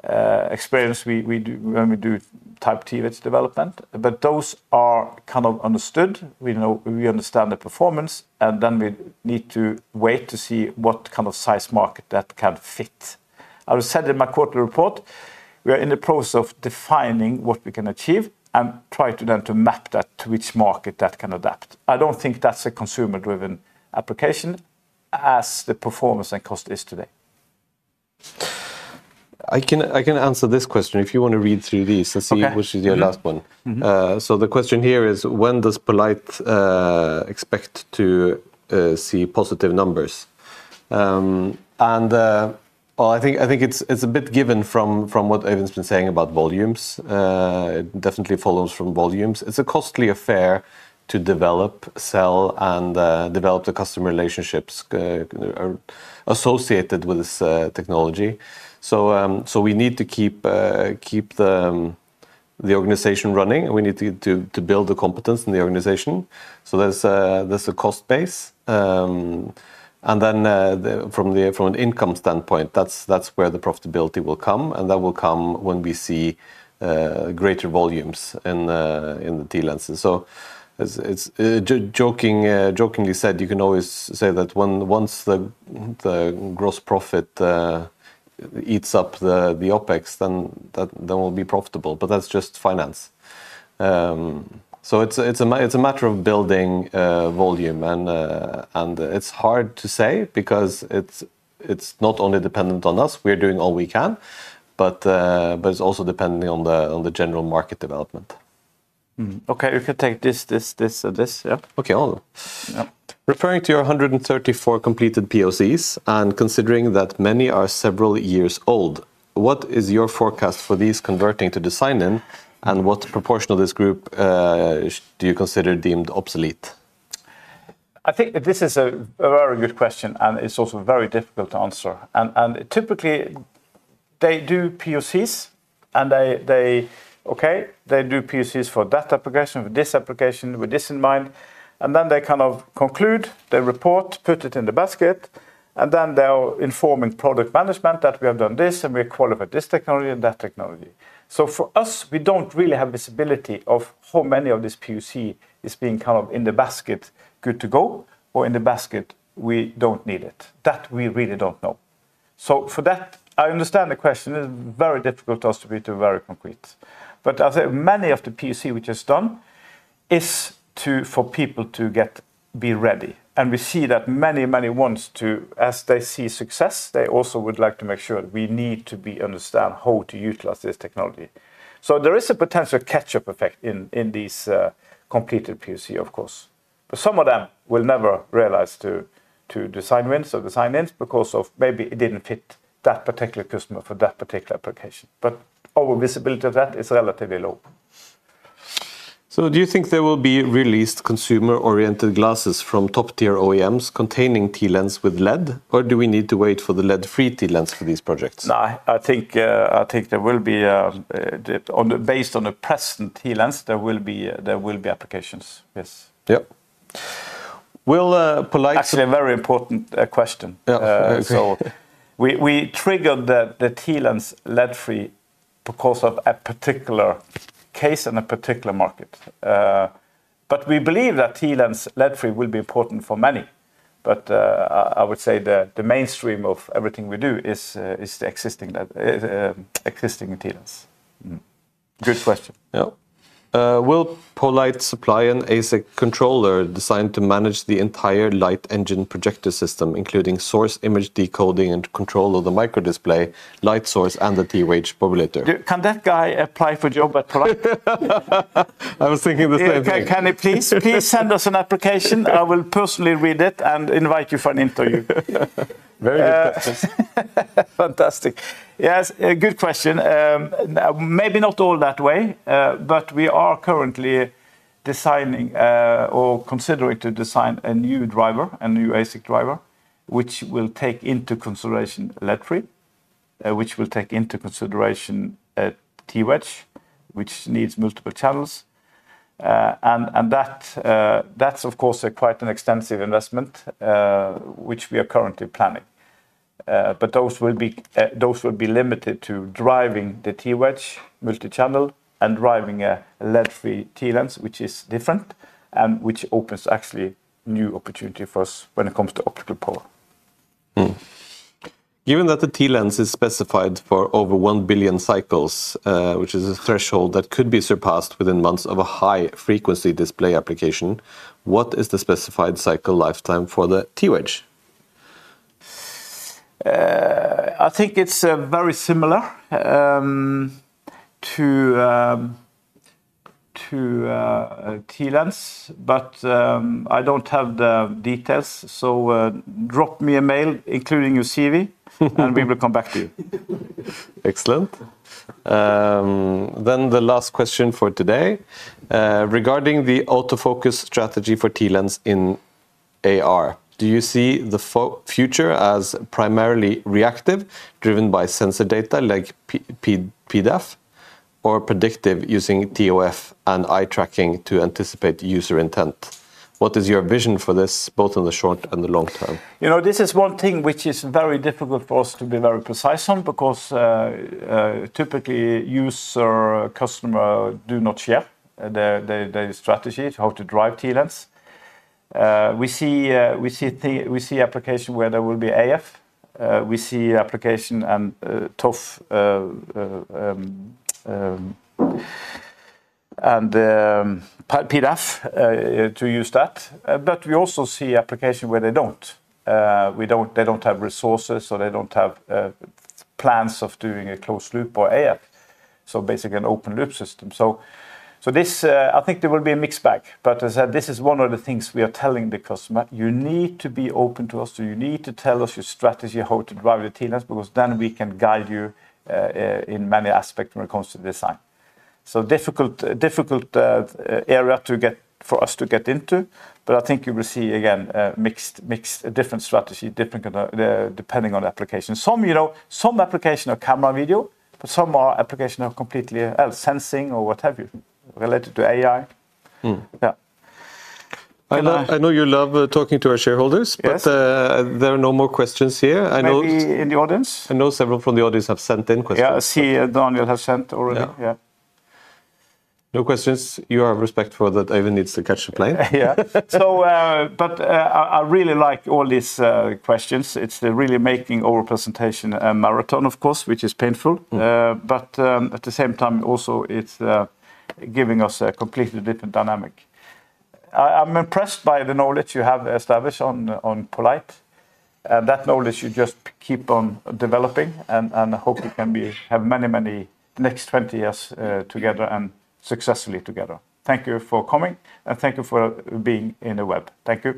experience we do when we do type T-Wedge development. Those are kind of understood. We understand the performance. We need to wait to see what kind of size market that can fit. I would say in my quarterly report, we are in the process of defining what we can achieve and try to then map that to which market that can adapt. I don't think that's a consumer-driven application as the performance and cost is today. I can answer this question if you want to read through these and see which is your last one. The question here is, when does poLight expect to see positive numbers? I think it's a bit given from what Øyvind's been saying about volumes. It definitely follows from volumes. It's a costly affair to develop, sell, and develop the customer relationships associated with this technology. We need to keep the organization running. We need to build the competence in the organization. That's a cost base. From an income standpoint, that's where the profitability will come. That will come when we see greater volumes in the TLens. Jokingly said, you can always say that once the gross profit eats up the OpEx, then we'll be profitable. That's just finance. It's a matter of building volume. It's hard to say because it's not only dependent on us. We're doing all we can. It's also depending on the general market development. OK, you can take this, this, this or this. Yeah. OK, all of them. Yeah. Referring to your 134 completed POCs and considering that many are several years old, what is your forecast for these converting to design in? What proportion of this group do you consider deemed obsolete? I think this is a very good question. It's also very difficult to answer. Typically, they do POCs. They do POCs for that application, for this application, with this in mind. They kind of conclude their report, put it in the basket. They are informing product management that we have done this, and we qualify this technology and that technology. For us, we don't really have visibility of how many of this POC is being kind of in the basket, good to go, or in the basket, we don't need it. That we really don't know. I understand the question. It's very difficult to us to be very concrete. As I said, many of the POCs we just done are for people to be ready. We see that many, many want to, as they see success, they also would like to make sure that we need to understand how to utilize this technology. There is a potential catch-up effect in these completed POCs, of course. Some of them will never realize to design wins or design ins because maybe it didn't fit that particular customer for that particular application. Our visibility of that is relatively low. Do you think there will be released consumer-oriented glasses from top-tier OEMs containing TLens with lead? Or do we need to wait for the lead-free TLens for these projects? No, I think there will be, based on the present TLens, there will be applications, yes. Yeah, will poLight. Actually, a very important question. Yeah, exactly. We triggered the TLens lead-free because of a particular case and a particular market. We believe that TLens lead-free will be important for many. I would say the mainstream of everything we do is the existing TLens. Good question. Will poLight supply an ASIC controller designed to manage the entire light engine projector system, including source image decoding and control of the micro display, light source, and the T-Wedge probably later? Can that guy apply for a job at poLight? I was thinking the same thing. OK, can you please send us an application? I will personally read it and invite you for an interview. Very good practice. Fantastic. Yes, good question. We are currently designing or considering to design a new driver, a new ASIC driver, which will take into consideration lead-free, which will take into consideration T-Wedge, which needs multiple channels. That's, of course, quite an extensive investment, which we are currently planning. Those will be limited to driving the T-Wedge multi-channel and driving a lead-free TLens, which is different and which opens actually new opportunity for us when it comes to optical power. Given that the TLens is specified for over 1 billion cycles, which is a threshold that could be surpassed within months of a high-frequency display application, what is the specified cycle lifetime for the T-Wedge? I think it's very similar to TLens. I don't have the details. Drop me a mail, including your CV, and we will come back to you. Excellent. The last question for today. Regarding the autofocus strategy for TLens in AR/MR, do you see the future as primarily reactive, driven by sensor data like PDAF, or predictive using TOF and eye tracking to anticipate user intent? What is your vision for this, both in the short and the long term? You know, this is one thing which is very difficult for us to be very precise on because typically, user customer do not share their strategy to how to drive TLens. We see applications where there will be AF. We see applications and to use that. We also see applications where they don't. They don't have resources, or they don't have plans of doing a closed loop or AF, basically an open loop system. I think there will be a mixed bag. As I said, this is one of the things we are telling the customer. You need to be open to us. You need to tell us your strategy, how to drive the TLens, because then we can guide you in many aspects when it comes to design. Difficult area for us to get into. I think you will see, again, a mixed different strategy, depending on the application. Some applications are camera and video. Some applications are completely sensing or what have you, related to AI. I know you love talking to our shareholders, but there are no more questions here. Any in the audience? I know several from the audience have sent in questions. Yeah, I see Daniel has sent already. Yeah. No questions. You have respect for that Øyvind needs to catch the plane. Yeah. I really like all these questions. It's really making our presentation a marathon, of course, which is painful. At the same time, also, it's giving us a completely different dynamic. I'm impressed by the knowledge you have established on poLight. That knowledge, you just keep on developing. I hope we can have many, many next 20 years together and successfully together. Thank you for coming. Thank you for being in the web. Thank you.